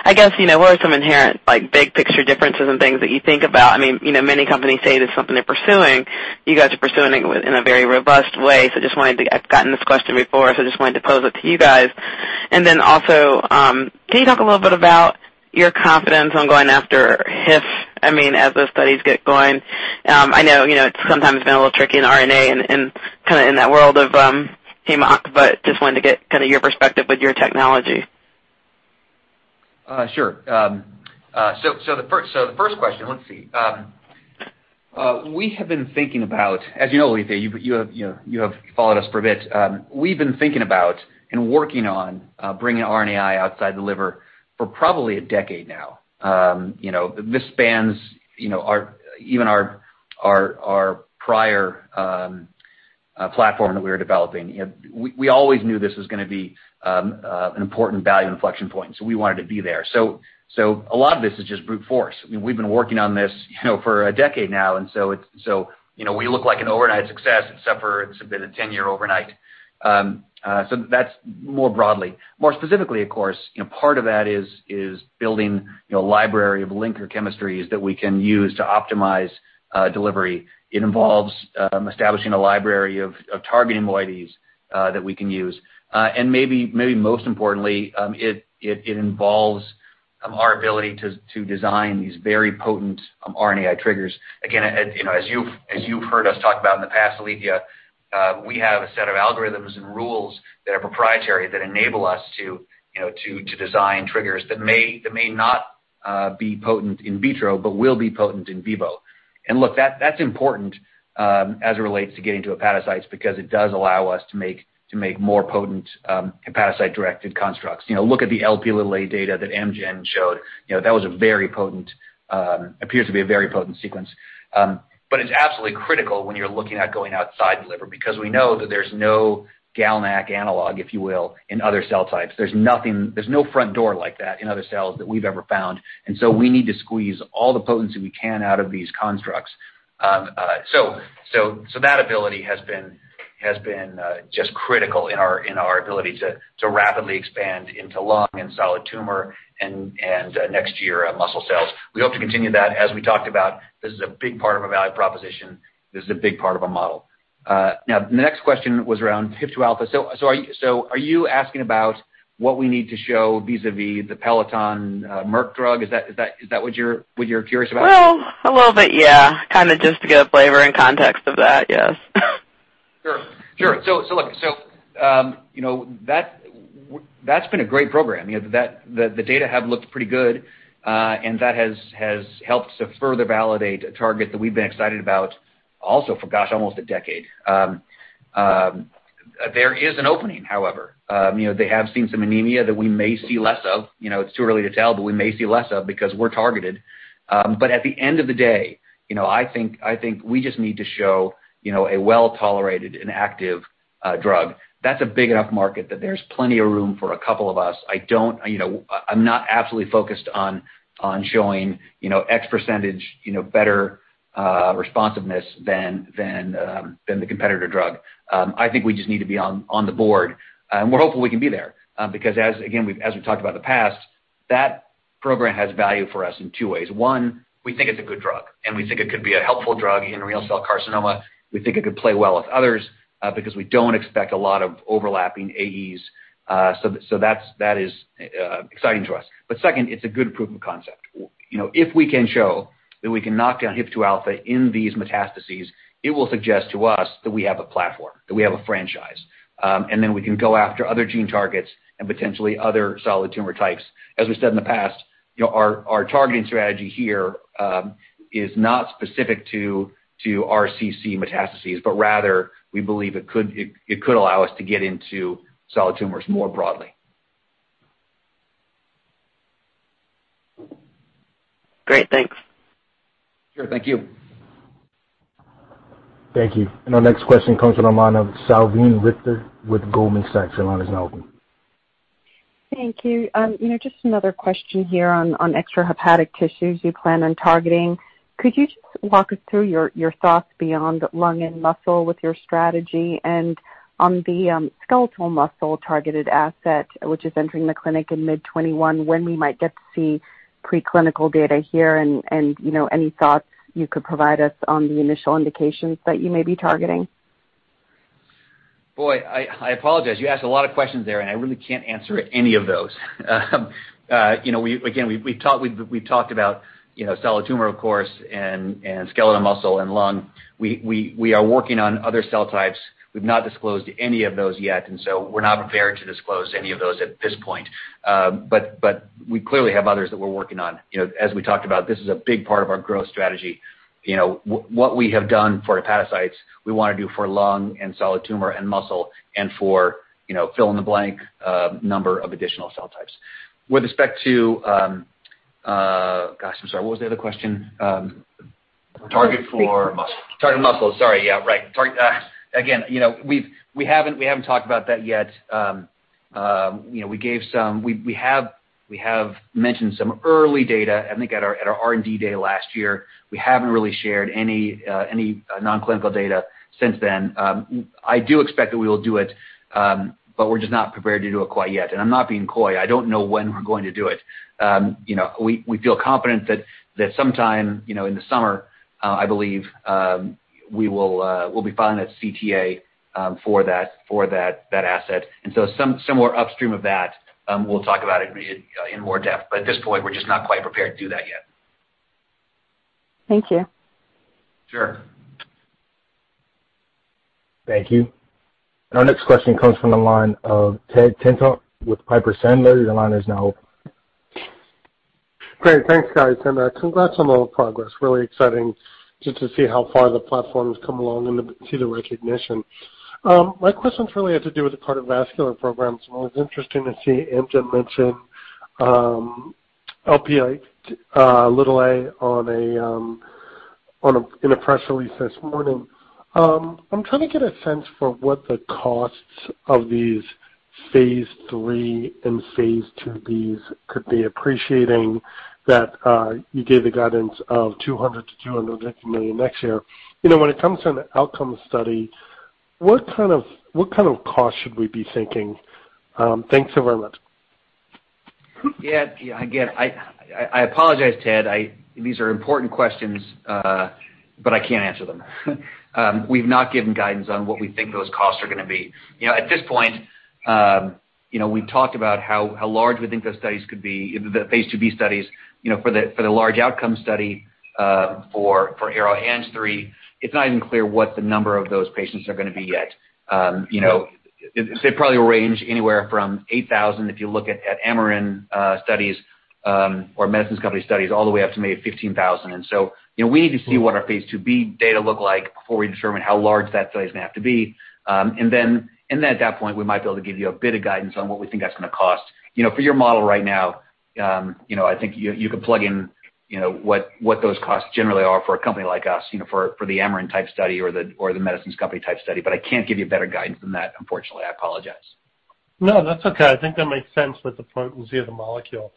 I guess, what are some inherent big-picture differences and things that you think about? Many companies say that's something they're pursuing. You guys are pursuing it in a very robust way. I've gotten this question before, I just wanted to pose it to you guys. Then also, can you talk a little bit about your confidence on going after HIF as those studies get going? I know it's sometimes been a little tricky in RNA and in that world of chemo, but just wanted to get your perspective with your technology. Sure. The first question, let's see. As you know, Alethia, you have followed us for a bit. We've been thinking about and working on bringing RNAi outside the liver for probably a decade now. This spans even our prior platform that we were developing. We always knew this was going to be an important value inflection point. We wanted to be there. A lot of this is just brute force. We've been working on this for a decade now. We look like an overnight success except for it's been a 10-year overnight. That's more broadly. More specifically, of course, part of that is building a library of linker chemistries that we can use to optimize delivery. It involves establishing a library of targeting moieties that we can use. Maybe most importantly, it involves our ability to design these very potent RNAi triggers. Again, as you've heard us talk about in the past, we have a set of algorithms and rules that are proprietary, that enable us to design triggers that may not be potent in vitro, but will be potent in vivo. Look, that's important as it relates to getting to hepatocytes, because it does allow us to make more potent hepatocyte-directed constructs. Look at the Lp(a) data that Amgen showed. That appears to be a very potent sequence. It's absolutely critical when you're looking at going outside the liver, because we know that there's no GalNAc analog, if you will, in other cell types. There's no front door like that in other cells that we've ever found, we need to squeeze all the potency we can out of these constructs. That ability has been just critical in our ability to rapidly expand into lung and solid tumor and, next year, muscle cells. We hope to continue that. As we talked about, this is a big part of our value proposition. This is a big part of our model. Now, the next question was around HIF2α. Are you asking about what we need to show vis-a-vis the Peloton Merck drug? Is that what you're curious about? Well, a little bit, yeah. Kind of just to get a flavor and context of that. Yes. Sure. Look, that's been a great program. The data have looked pretty good, and that has helped to further validate a target that we've been excited about also for, gosh, almost a decade. There is an opening, however. They have seen some anemia that we may see less of. It's too early to tell, but we may see less of because we're targeted. At the end of the day, I think we just need to show a well-tolerated and active drug. That's a big enough market that there's plenty of room for a couple of us. I'm not absolutely focused on showing X percentage better responsiveness than the competitor drug. I think we just need to be on the board. We're hopeful we can be there, because again, as we've talked about in the past, that program has value for us in two ways. One, we think it's a good drug. We think it could be a helpful drug in renal cell carcinoma. We think it could play well with others, because we don't expect a lot of overlapping AEs. That is exciting to us. Second, it's a good proof of concept. If we can show that we can knock down HIF2α in these metastases, it will suggest to us that we have a platform, that we have a franchise. Then we can go after other gene targets and potentially other solid tumor types. As we've said in the past, our targeting strategy here is not specific to RCC metastases. Rather, we believe it could allow us to get into solid tumors more broadly. Great, thanks. Sure. Thank you. Thank you. Our next question comes from the line of Salveen Richter with Goldman Sachs. Your line is now open. Thank you. Just another question here on extrahepatic tissues you plan on targeting. Could you just walk us through your thoughts beyond lung and muscle with your strategy? On the skeletal muscle-targeted asset, which is entering the clinic in mid 2021, when we might get to see preclinical data here, and any thoughts you could provide us on the initial indications that you may be targeting? [Boy], I apologize. You asked a lot of questions there, I really can't answer any of those. Again, we've talked about solid tumor, of course, and skeletal muscle and lung. We are working on other cell types. We've not disclosed any of those yet, We're not prepared to disclose any of those at this point. We clearly have others that we're working on. As we talked about, this is a big part of our growth strategy. What we have done for hepatocytes, we want to do for lung and solid tumor and muscle and for fill-in-the-blank number of additional cell types. With respect to.. gosh, I'm sorry, what was the other question? Target for muscle. Target muscle, sorry. Yeah, right. We haven't talked about that yet. We have mentioned some early data, I think at our R&D day last year. We haven't really shared any non-clinical data since then. I do expect that we will do it, but we're just not prepared to do it quite yet. I'm not being coy, I don't know when we're going to do it. We feel confident that sometime in the summer, I believe, we'll be filing a CTA for that asset. Somewhere upstream of that, we'll talk about it in more depth, but at this point, we're just not quite prepared to do that yet. Thank you. Sure. Thank you. Our next question comes from the line of Ted Tenthoff with Piper Sandler. Your line is now open. Great. Thanks, guys, and congrats on all the progress. Really exciting just to see how far the platform's come along and to see the recognition. My questions really had to do with the cardiovascular program. It was interesting to see Amgen mention Lp(a) in a press release this morning. I'm trying to get a sense for what the costs of these phase III and phase II-B could be, appreciating that you gave the guidance of $200 million-$250 million next year. When it comes to an outcome study, what kind of cost should we be thinking? Thanks so very much. Yeah. Again, I apologize, Ted. These are important questions, but I can't answer them. We've not given guidance on what we think those costs are going to be. At this point, we've talked about how large we think those studies could be, the phase II-B studies. For the large outcome study for ARO-ANG3, it's not even clear what the number of those patients are going to be yet. They probably range anywhere from 8,000, if you look at Amarin studies or Medicines Company studies, all the way up to maybe 15,000. We need to see what our phase II-B data look like before we determine how large that study is going to have to be. At that point, we might be able to give you a bit of guidance on what we think that's going to cost. For your model right now, I think you could plug in what those costs generally are for a company like us, for the Amarin type study or the Medicines Company type study. I can't give you better guidance than that, unfortunately. I apologize. No, that's okay. I think that makes sense with the potency of the molecule.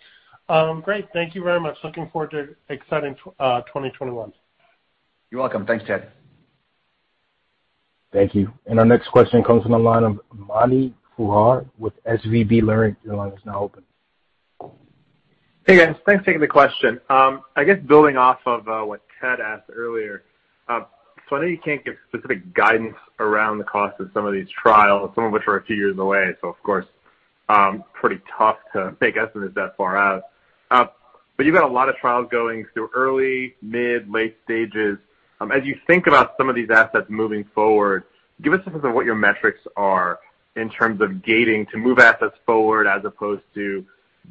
Great. Thank you very much. Looking forward to an exciting 2021. You're welcome. Thanks, Ted. Thank you. Our next question comes from the line of Mani Foroohar with SVB Leerink. Hey, guys. Thanks for taking the question. I guess building off of what Ted asked earlier, so I know you can't give specific guidance around the cost of some of these trials, some of which are a few years away, so of course, pretty tough to make estimates that far out. You've got a lot of trials going through early, mid, late stages. As you think about some of these assets moving forward, give us a sense of what your metrics are in terms of gating to move assets forward, as opposed to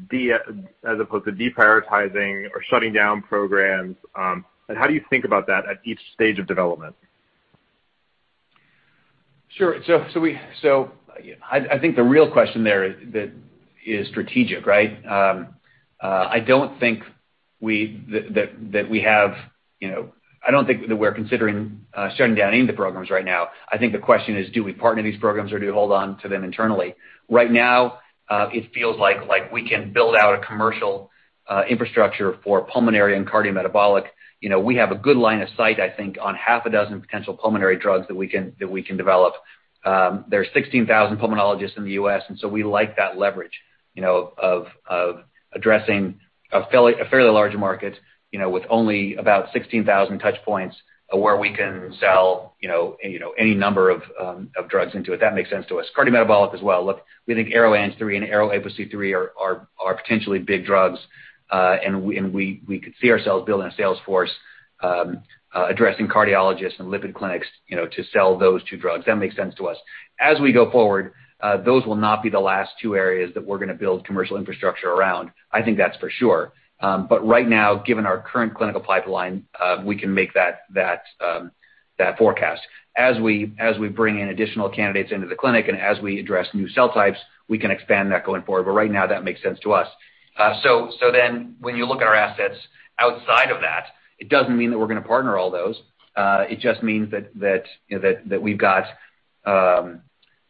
deprioritizing or shutting down programs. How do you think about that at each stage of development? Sure. I think the real question there that is strategic, right? I don't think that we're considering shutting down any of the programs right now. I think the question is, do we partner these programs or do we hold on to them internally? Right now, it feels like we can build out a commercial infrastructure for pulmonary and cardiometabolic. We have a good line of sight, I think, on half a dozen potential pulmonary drugs that we can develop. There are 16,000 pulmonologists in the U.S. We like that leverage, of addressing a fairly large market with only about 16,000 touch points where we can sell any number of drugs into it. That makes sense to us. Cardiometabolic as well. Look, we think ARO-ANG3 and ARO-APOC3 are potentially big drugs, and we could see ourselves building a sales force addressing cardiologists and lipid clinics to sell those two drugs. That makes sense to us. As we go forward, those will not be the last two areas that we're going to build commercial infrastructure around. I think that's for sure. Right now, given our current clinical pipeline, we can make that forecast. As we bring in additional candidates into the clinic and as we address new cell types, we can expand that going forward. Right now, that makes sense to us. When you look at our assets outside of that, it doesn't mean that we're going to partner all those. It just means that we've got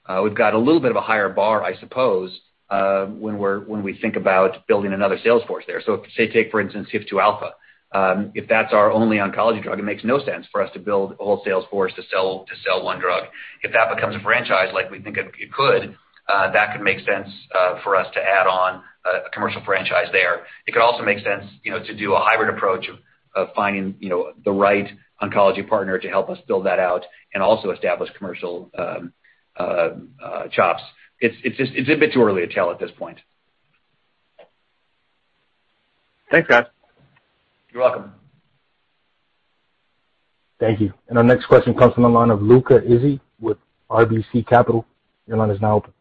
a little bit of a higher bar, I suppose, when we think about building another sales force there. Say take for instance, HIF2α. If that's our only oncology drug, it makes no sense for us to build a whole sales force to sell one drug. If that becomes a franchise like we think it could, that could make sense for us to add on a commercial franchise there. It could also make sense to do a hybrid approach of finding the right oncology partner to help us build that out and also establish commercial chops. It's a bit too early to tell at this point. Thanks guys. You're welcome. Thank you. Our next question comes from the line of Luca Issi with RBC Capital. Your line is now open.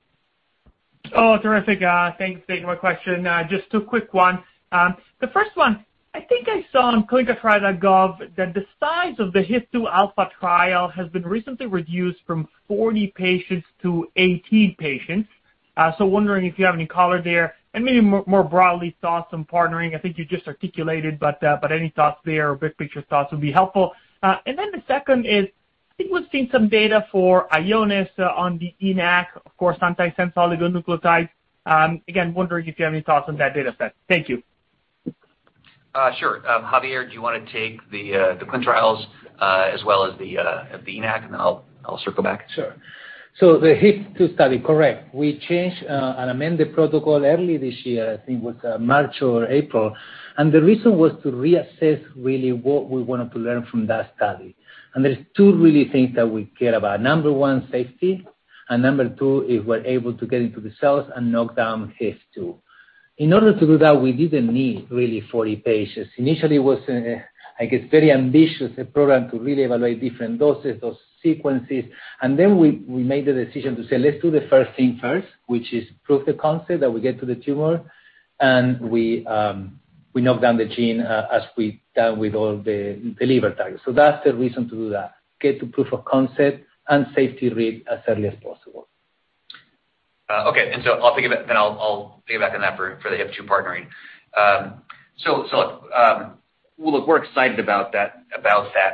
Terrific. Thanks for my question. Just two quick one. The first one, I think I saw on clinicaltrials.gov that the size of the HIF2α trial has been recently reduced from 40 patients to 18 patients. Wondering if you have any color there and maybe more broadly thoughts on partnering. I think you just articulated, any thoughts there or big picture thoughts would be helpful. The second is, I think we've seen some data for Ionis on the ENaC, of course, antisense oligonucleotides. Again, wondering if you have any thoughts on that data set. Thank you. Sure. Javier, do you want to take the clin trials, as well as the ENaC, and then I'll circle back? Sure. The HIF2 study, correct. We changed and amended protocol early this year, I think it was March or April. The reason was to reassess really what we wanted to learn from that study. There is two really things that we care about. Number one, safety, and number two, if we're able to get into the cells and knock down HIF2. In order to do that, we didn't need really 40 patients. Initially, it was, I guess, very ambitious, a program to really evaluate different doses or sequences. Then we made the decision to say, "Let's do the first thing first," which is prove the concept that we get to the tumor, and we knock down the gene as we done with all the liver targets. That's the reason to do that, get to proof of concept and safety read as early as possible. Okay. I'll piggyback on that for the HIF2 partnering. Look, we're excited about that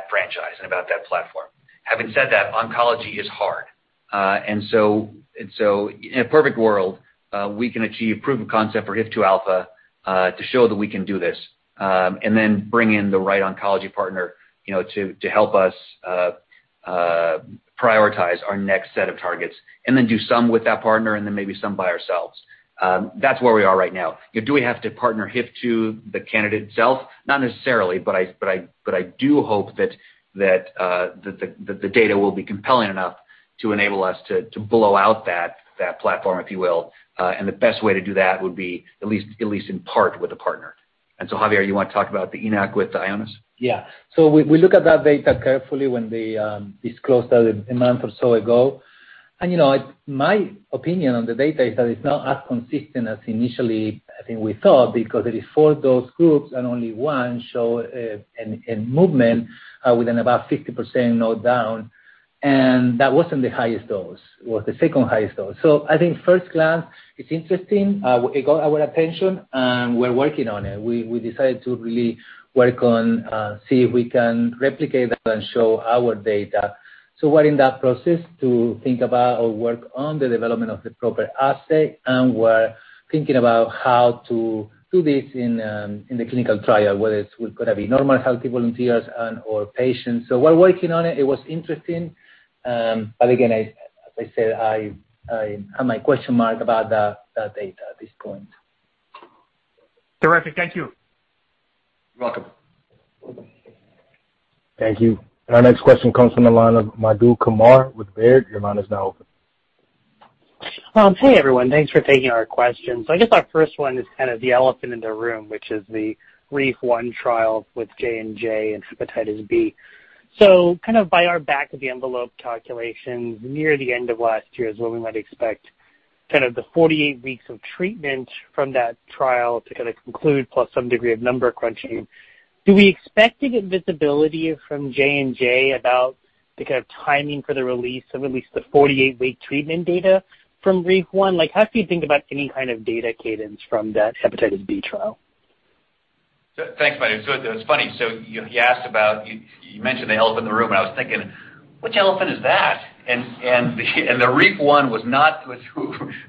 franchise and about that platform. Having said that, oncology is hard. In a perfect world, we can achieve proof of concept for HIF2α to show that we can do this, and then bring in the right oncology partner to help us prioritize our next set of targets, and then do some with that partner, and then maybe some by ourselves. That's where we are right now. Do we have to partner HIF2, the candidate itself? Not necessarily, but I do hope that the data will be compelling enough to enable us to blow out that platform, if you will. The best way to do that would be at least in part with a partner. Javier, you want to talk about the ENaC with Ionis? We look at that data carefully when they disclosed that a month or so ago. My opinion on the data is that it's not as consistent as initially, I think we thought, because it is four dose groups and only one show a movement within about 50% knockdown, and that wasn't the highest dose, it was the second-highest dose. I think at first glance, it's interesting. It got our attention, and we're working on it. We decided to really work on see if we can replicate that and show our data. We're in that process to think about or work on the development of the proper assay, and we're thinking about how to do this in the clinical trial, whether it could be normal healthy volunteers and/or patients. We're working on it. It was interesting. Again, as I said, I have my question mark about that data at this point. Terrific. Thank you. You're welcome. Thank you. Our next question comes from the line of Madhu Kumar with Baird. Your line is now open. Hey, everyone. Thanks for taking our questions. I guess our first one is kind of the elephant in the room, which is the REEF-1 trial with JNJ and hepatitis B. Kind of by our back-of-the-envelope calculations, near the end of last year is when we might expect kind of the 48 weeks of treatment from that trial to conclude, plus some degree of number crunching. Do we expect to get visibility from JNJ about the kind of timing for the release of at least the 48-week treatment data from REEF-1? How do you think about any kind of data cadence from that hepatitis B trial? Thanks, Madhu. It's funny. You mentioned the elephant in the room, I was thinking, "Which elephant is that?" The REEF-1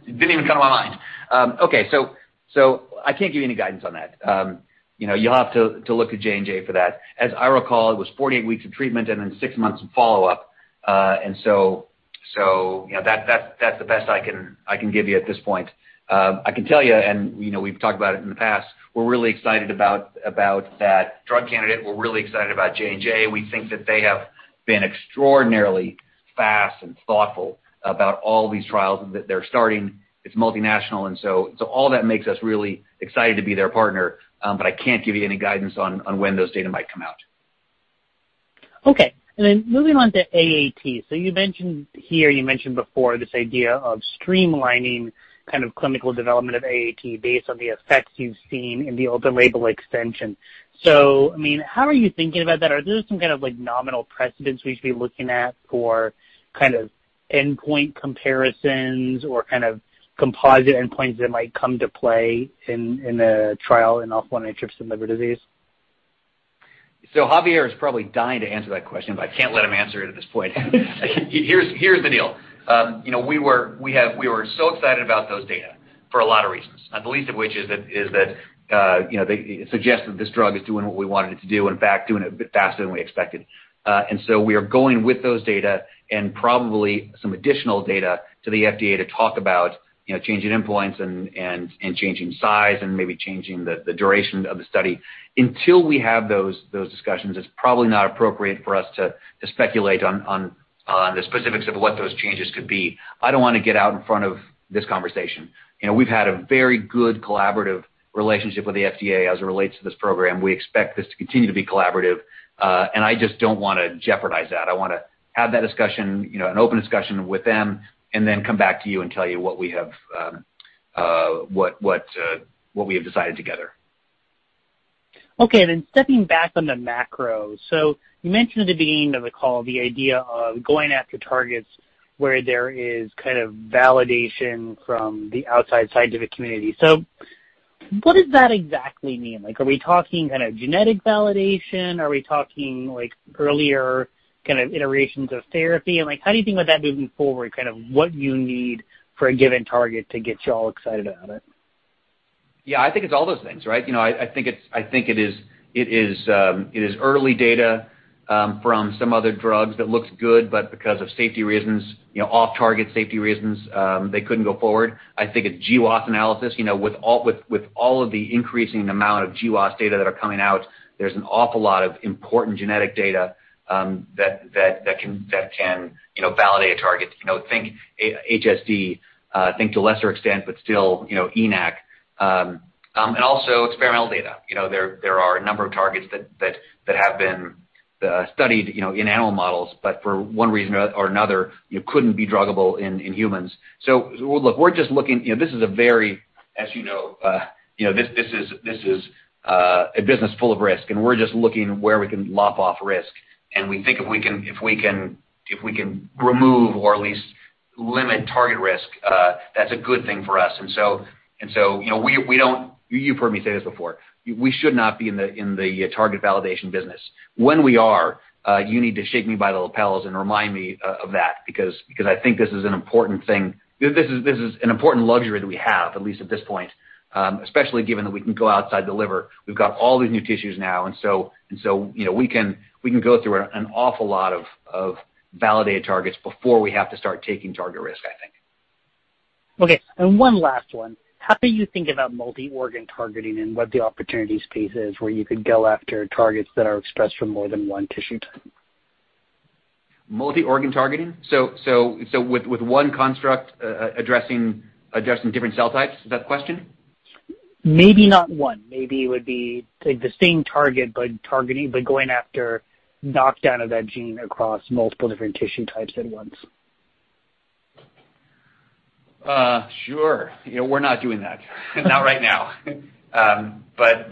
didn't even come to my mind. Okay. I can't give you any guidance on that. You'll have to look at JNJ for that. As I recall, it was 48 weeks of treatment and then six months of follow-up. That's the best I can give you at this point. I can tell you, we've talked about it in the past, we're really excited about that drug candidate. We're really excited about JNJ. We think that they have been extraordinarily fast and thoughtful about all these trials that they're starting. It's multinational, all that makes us really excited to be their partner. I can't give you any guidance on when those data might come out. Okay. Then moving on to AAT. You mentioned here, you mentioned before this idea of streamlining kind of clinical development of AAT based on the effects you've seen in the open label extension. How are you thinking about that? Are those some kind of nominal precedents we should be looking at for kind of endpoint comparisons or kind of composite endpoints that might come to play in the trial in alpha-1 antitrypsin deficiency liver disease? Javier is probably dying to answer that question, but I can't let him answer it at this point. Here's the deal. We were so excited about those data for a lot of reasons, not the least of which is that it suggests that this drug is doing what we wanted it to do, in fact, doing it a bit faster than we expected. We are going with those data and probably some additional data to the FDA to talk about changing endpoints and changing size and maybe changing the duration of the study. Until we have those discussions, it's probably not appropriate for us to speculate on the specifics of what those changes could be. I don't want to get out in front of this conversation. We've had a very good collaborative relationship with the FDA as it relates to this program. We expect this to continue to be collaborative. I just don't want to jeopardize that. I want to have that discussion, an open discussion with them, and then come back to you and tell you what we have decided together. Stepping back on the macro. You mentioned at the beginning of the call the idea of going after targets where there is kind of validation from the outside scientific community. What does that exactly mean? Are we talking kind of genetic validation? Are we talking earlier kind of iterations of therapy? How do you think about that moving forward, kind of what you need for a given target to get you all excited about it? Yeah, I think it's all those things, right? I think it is early data from some other drugs that looks good, but because of safety reasons, off-target safety reasons, they couldn't go forward. I think a GWAS analysis, with all of the increasing amount of GWAS data that are coming out, there's an awful lot of important genetic data that can validate a target. Think HSD, think to a lesser extent, but still, ENaC. Also experimental data. There are a number of targets that have been studied in animal models, but for one reason or another, couldn't be druggable in humans. Look, we're just looking, this is a very, as you know, this is a business full of risk, and we're just looking where we can lop off risk. We think if we can remove or at least limit target risk, that's a good thing for us. We don't, you've heard me say this before. We should not be in the target validation business. When we are, you need to shake me by the lapels and remind me of that, because I think this is an important thing. This is an important luxury that we have, at least at this point, especially given that we can go outside the liver. We've got all these new tissues now. We can go through an awful lot of validated targets before we have to start taking target risk, I think. Okay. One last one. How do you think about multi-organ targeting and what the opportunities piece is where you could go after targets that are expressed for more than one tissue type? Multi-organ targeting? With one construct addressing different cell types, is that the question? Maybe not one. Maybe it would be the same target, but going after knockdown of that gene across multiple different tissue types at once. Sure. We're not doing that. Not right now.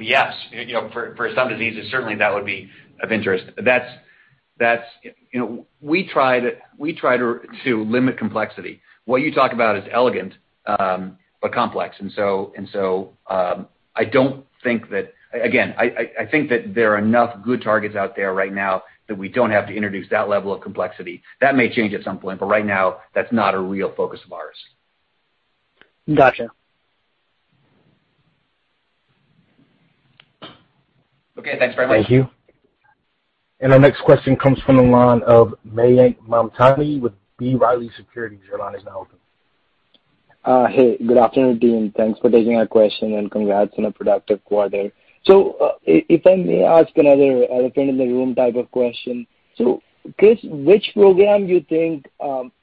Yes, for some diseases, certainly that would be of interest. We try to limit complexity. What you talk about is elegant, but complex. I don't think that Again, I think that there are enough good targets out there right now that we don't have to introduce that level of complexity. That may change at some point, but right now, that's not a real focus of ours. Got you. Okay, thanks very much. Thank you. Our next question comes from the line of Mayank Mamtani with B. Riley Securities. Your line is now open. Hey, good afternoon, team. Thanks for taking my question and congrats on a productive quarter. If I may ask another elephant-in-the-room type of question. Chris, which program do you think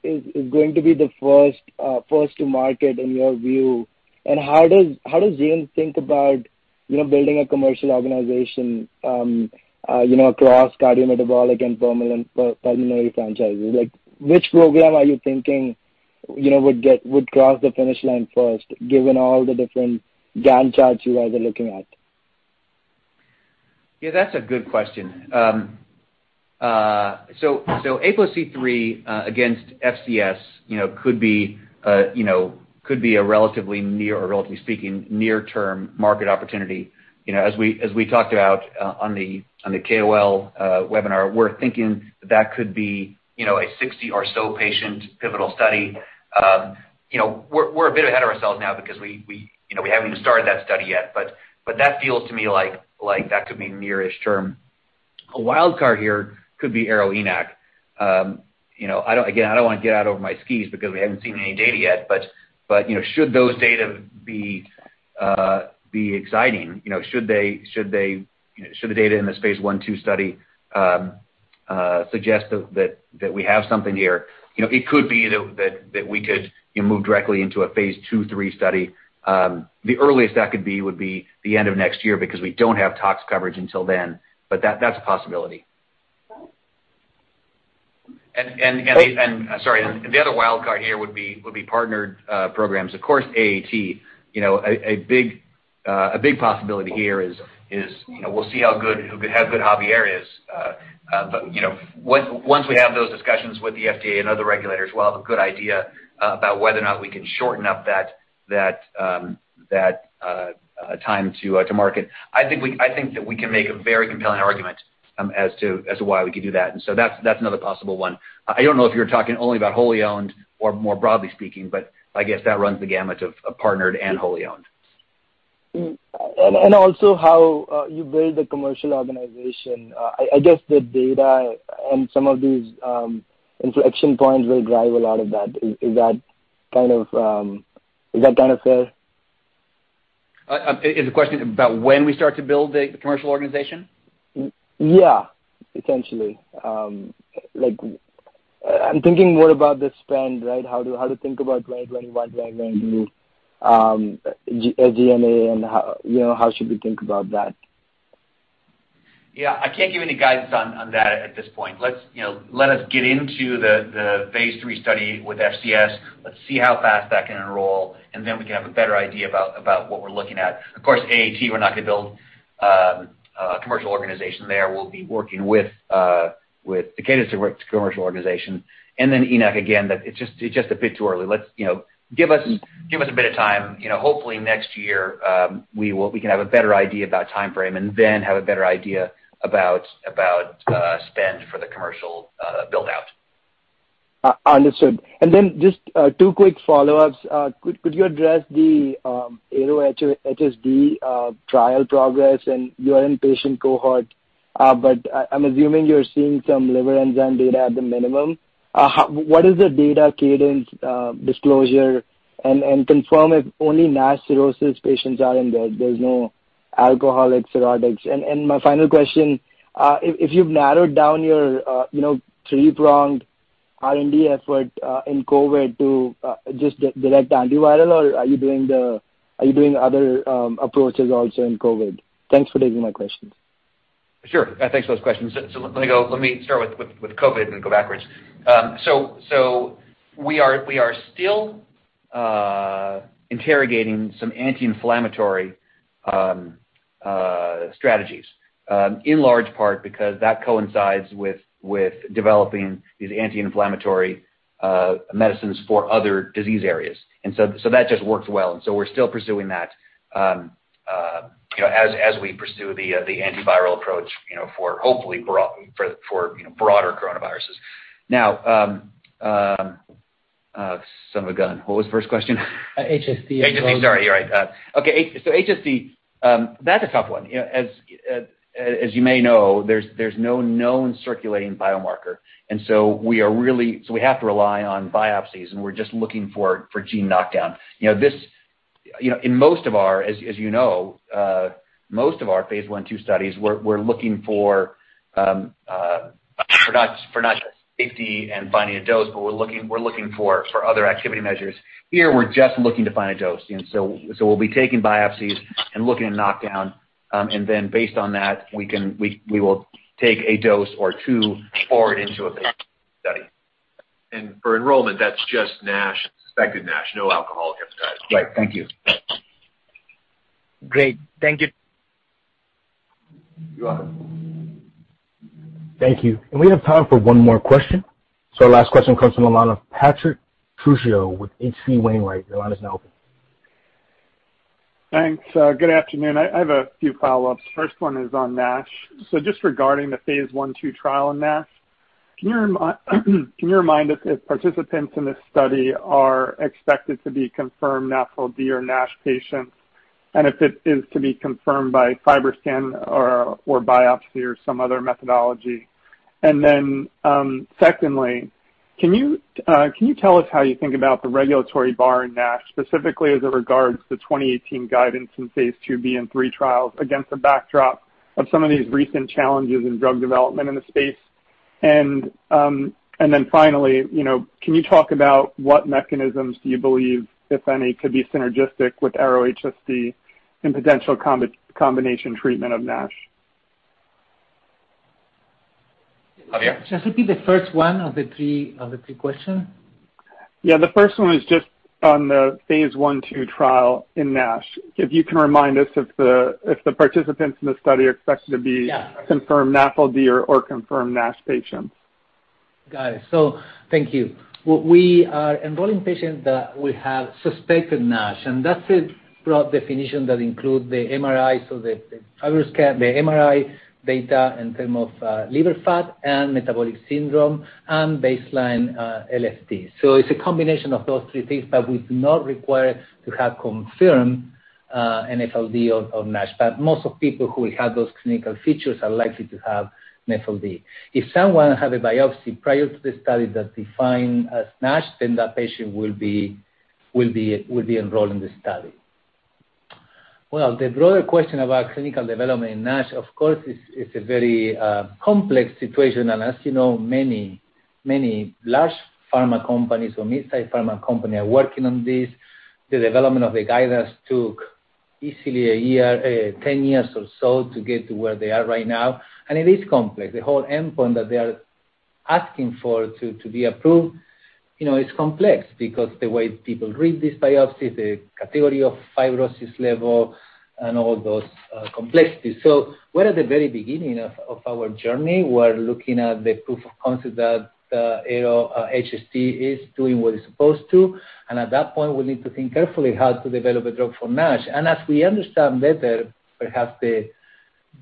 is going to be the first to market in your view, and how does [audio distortion] think about building a commercial organization across cardiometabolic and pulmonary franchises? Like, which program are you thinking would cross the finish line first, given all the different [audio distortion] you guys are looking at? Yeah, that's a good question. ARO-APOC3 against FCS could be a relatively near, or relatively speaking, near term market opportunity. As we talked about on the KOL webinar, we're thinking that could be a 60 or so patient pivotal study. We're a bit ahead of ourselves now because we haven't even started that study yet, but that feels to me like that could be nearest term. A wildcard here could be ARO-ENaC. Again, I don't want to get out over my skis because we haven't seen any data yet, but should those data be exciting, should the data in this phase I/II study suggest that we have something here, it could be that we could move directly into a phase II/III study. The earliest that could be would be the end of next year because we don't have tox coverage until then, but that's a possibility. Sorry, the other wildcard here would be partnered programs. Of course, AAT. A big possibility here is we'll see how good Javier is. Once we have those discussions with the FDA and other regulators, we'll have a good idea about whether or not we can shorten up that time to market. I think that we can make a very compelling argument as to why we could do that, and so that's another possible one. I don't know if you're talking only about wholly owned or more broadly speaking, but I guess that runs the gamut of partnered and wholly owned. Also how you build the commercial organization. I guess the data and some of these inflection points will drive a lot of that. Is that kind of fair? Is the question about when we start to build the commercial organization? Yeah, potentially. I'm thinking more about the spend, right? How to think about 2021, 2022, SG&A, and how should we think about that? Yeah. I can't give any guidance on that at this point. Let us get into the phase III study with FCS. Let's see how fast that can enroll, and then we can have a better idea about what we're looking at. Of course, AAT, we're not going to build a commercial organization there. We'll be working with the Takeda commercial organization. ENaC, again, it's just a bit too early. Give us a bit of time. Hopefully next year, we can have a better idea about timeframe and then have a better idea about spend for the commercial build-out. Understood. Then just two quick follow-ups. Could you address the ARO-HSD trial progress and you are in patient cohort, but I'm assuming you're seeing some liver enzyme data at the minimum. What is the data cadence disclosure, and confirm if only NASH cirrhosis patients are in there's no alcoholic cirrhotics. My final question, if you've narrowed down your three-pronged R&D effort in COVID to just direct antiviral, or are you doing other approaches also in COVID? Thanks for taking my questions. Sure. Thanks for those questions. Let me start with COVID and go backwards. We are still interrogating some anti-inflammatory strategies, in large part because that coincides with developing these anti-inflammatory medicines for other disease areas. That just works well, and so we're still pursuing that as we pursue the antiviral approach for hopefully for broader coronaviruses. Now, son of a gun. What was the first question? HSD. HSD, sorry, you're right. Okay, HSD, that's a tough one. As you may know, there's no known circulating biomarker, we have to rely on biopsies, and we're just looking for gene knockdown. In most of our, as you know, phase I/II studies, we're looking for not just safety and finding a dose, but we're looking for other activity measures. Here, we're just looking to find a dose. We'll be taking biopsies and looking at knockdown. Based on that, we will take a dose or two forward into a phase II study. For enrollment, that's just NASH, suspected NASH, no alcoholic hepatitis. Right. Thank you. Great. Thank you. You're welcome. Thank you. We have time for one more question. Our last question comes from the line of Patrick Trucchio with H.C. Wainwright. Your line is now open. Thanks. Good afternoon. I have a few follow-ups. First one is on NASH. Just regarding the phase I/II trial in NASH, can you remind us if participants in this study are expected to be confirmed NAFLD or NASH patients, and if it is to be confirmed by FibroScan or biopsy or some other methodology? Secondly, can you tell us how you think about the regulatory bar in NASH, specifically as it regards the 2018 guidance in phase II-B and III trials against the backdrop of some of these recent challenges in drug development in the space? Finally, can you talk about what mechanisms do you believe, if any, could be synergistic with ARO-HSD in potential combination treatment of NASH? Javier? Just repeat the first one of the three questions. Yeah, the first one was just on the phase I/II trial in NASH. If you can remind us if the participants in the study are expected to be... Yeah ...confirmed NAFLD or confirmed NASH patients. Got it. Thank you. We are enrolling patients that we have suspected NASH, that's a broad definition that includes the MRI, the FibroScan, the MRI data in terms of liver fat and metabolic syndrome and baseline LFT. It's a combination of those three things, we do not require to have confirmed NAFLD or NASH. Most of people who will have those clinical features are likely to have NAFLD. If someone had a biopsy prior to the study that defined as NASH, that patient will be enrolled in the study. The broader question about clinical development in NASH, of course, it's a very complex situation, as you know, many large pharma companies or mid-size pharma company are working on this. The development of the guidance took easily 10 years or so to get to where they are right now. It is complex. The whole endpoint that they are asking for to be approved, it's complex because the way people read this biopsy, the category of fibrosis level and all those complexities. We're at the very beginning of our journey. We're looking at the proof of concept that ARO-HSD is doing what it's supposed to. At that point, we need to think carefully how to develop a drug for NASH. As we understand better, perhaps the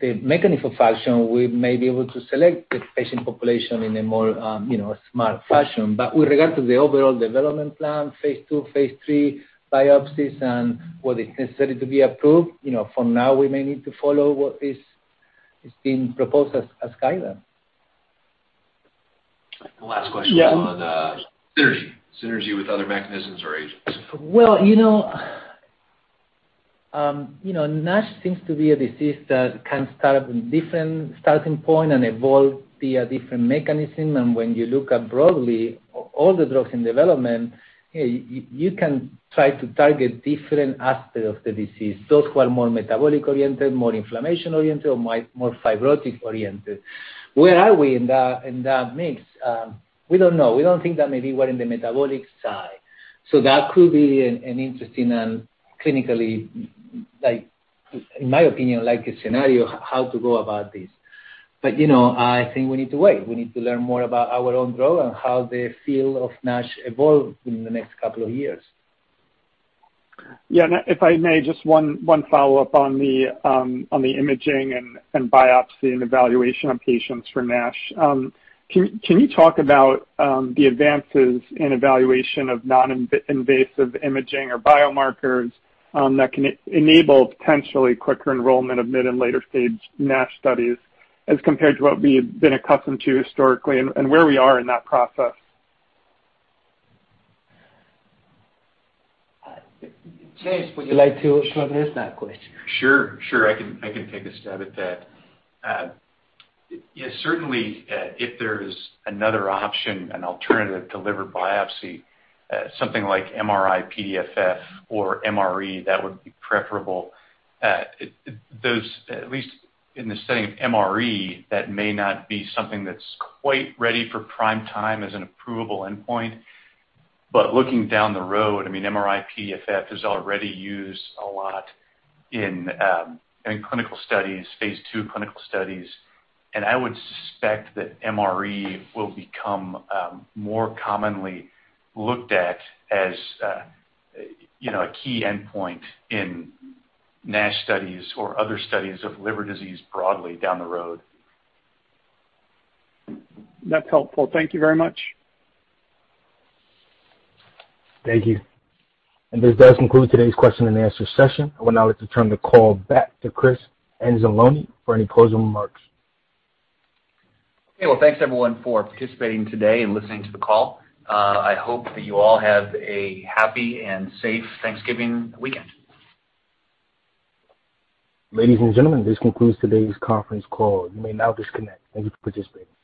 mechanism of action, we may be able to select the patient population in a more smart fashion. With regard to the overall development plan, phase II, phase III biopsies and what is necessary to be approved, for now, we may need to follow what is being proposed as guidance. The last question... Yeah ...on synergy with other mechanisms or agents. Well, NASH seems to be a disease that can start in different starting point and evolve via different mechanism. When you look at broadly all the drugs in development, you can try to target different aspects of the disease, those who are more metabolically oriented, more inflammation oriented, or more fibrotic oriented. Where are we in that mix? We don't know. We don't think that maybe we're in the metabolic side. That could be an interesting and clinically, in my opinion, likely scenario, how to go about this. I think we need to wait. We need to learn more about our own drug and how the field of NASH evolves in the next couple of years. Yeah. If I may, just one follow-up on the imaging and biopsy and evaluation of patients for NASH. Can you talk about the advances in evaluation of non-invasive imaging or biomarkers that can enable potentially quicker enrollment of mid and later-stage NASH studies as compared to what we had been accustomed to historically and where we are in that process? James, would you like to address that question? Sure. I can take a stab at that. Yeah, certainly, if there's another option, an alternative to liver biopsy, something like MRI-PDFF or MRE, that would be preferable. At least in the setting of MRE, that may not be something that's quite ready for prime time as an approvable endpoint. Looking down the road, I mean, MRI-PDFF is already used a lot in clinical studies, phase II clinical studies, and I would suspect that MRE will become more commonly looked at as a key endpoint in NASH studies or other studies of liver disease broadly down the road. That's helpful. Thank you very much. Thank you. This does conclude today's question and answer session. I would now like to turn the call back to Chris Anzalone for any closing remarks. Okay. Well, thanks everyone for participating today and listening to the call. I hope that you all have a happy and safe Thanksgiving weekend. Ladies and gentlemen, this concludes today's conference call. You may now disconnect. Thank you for participating.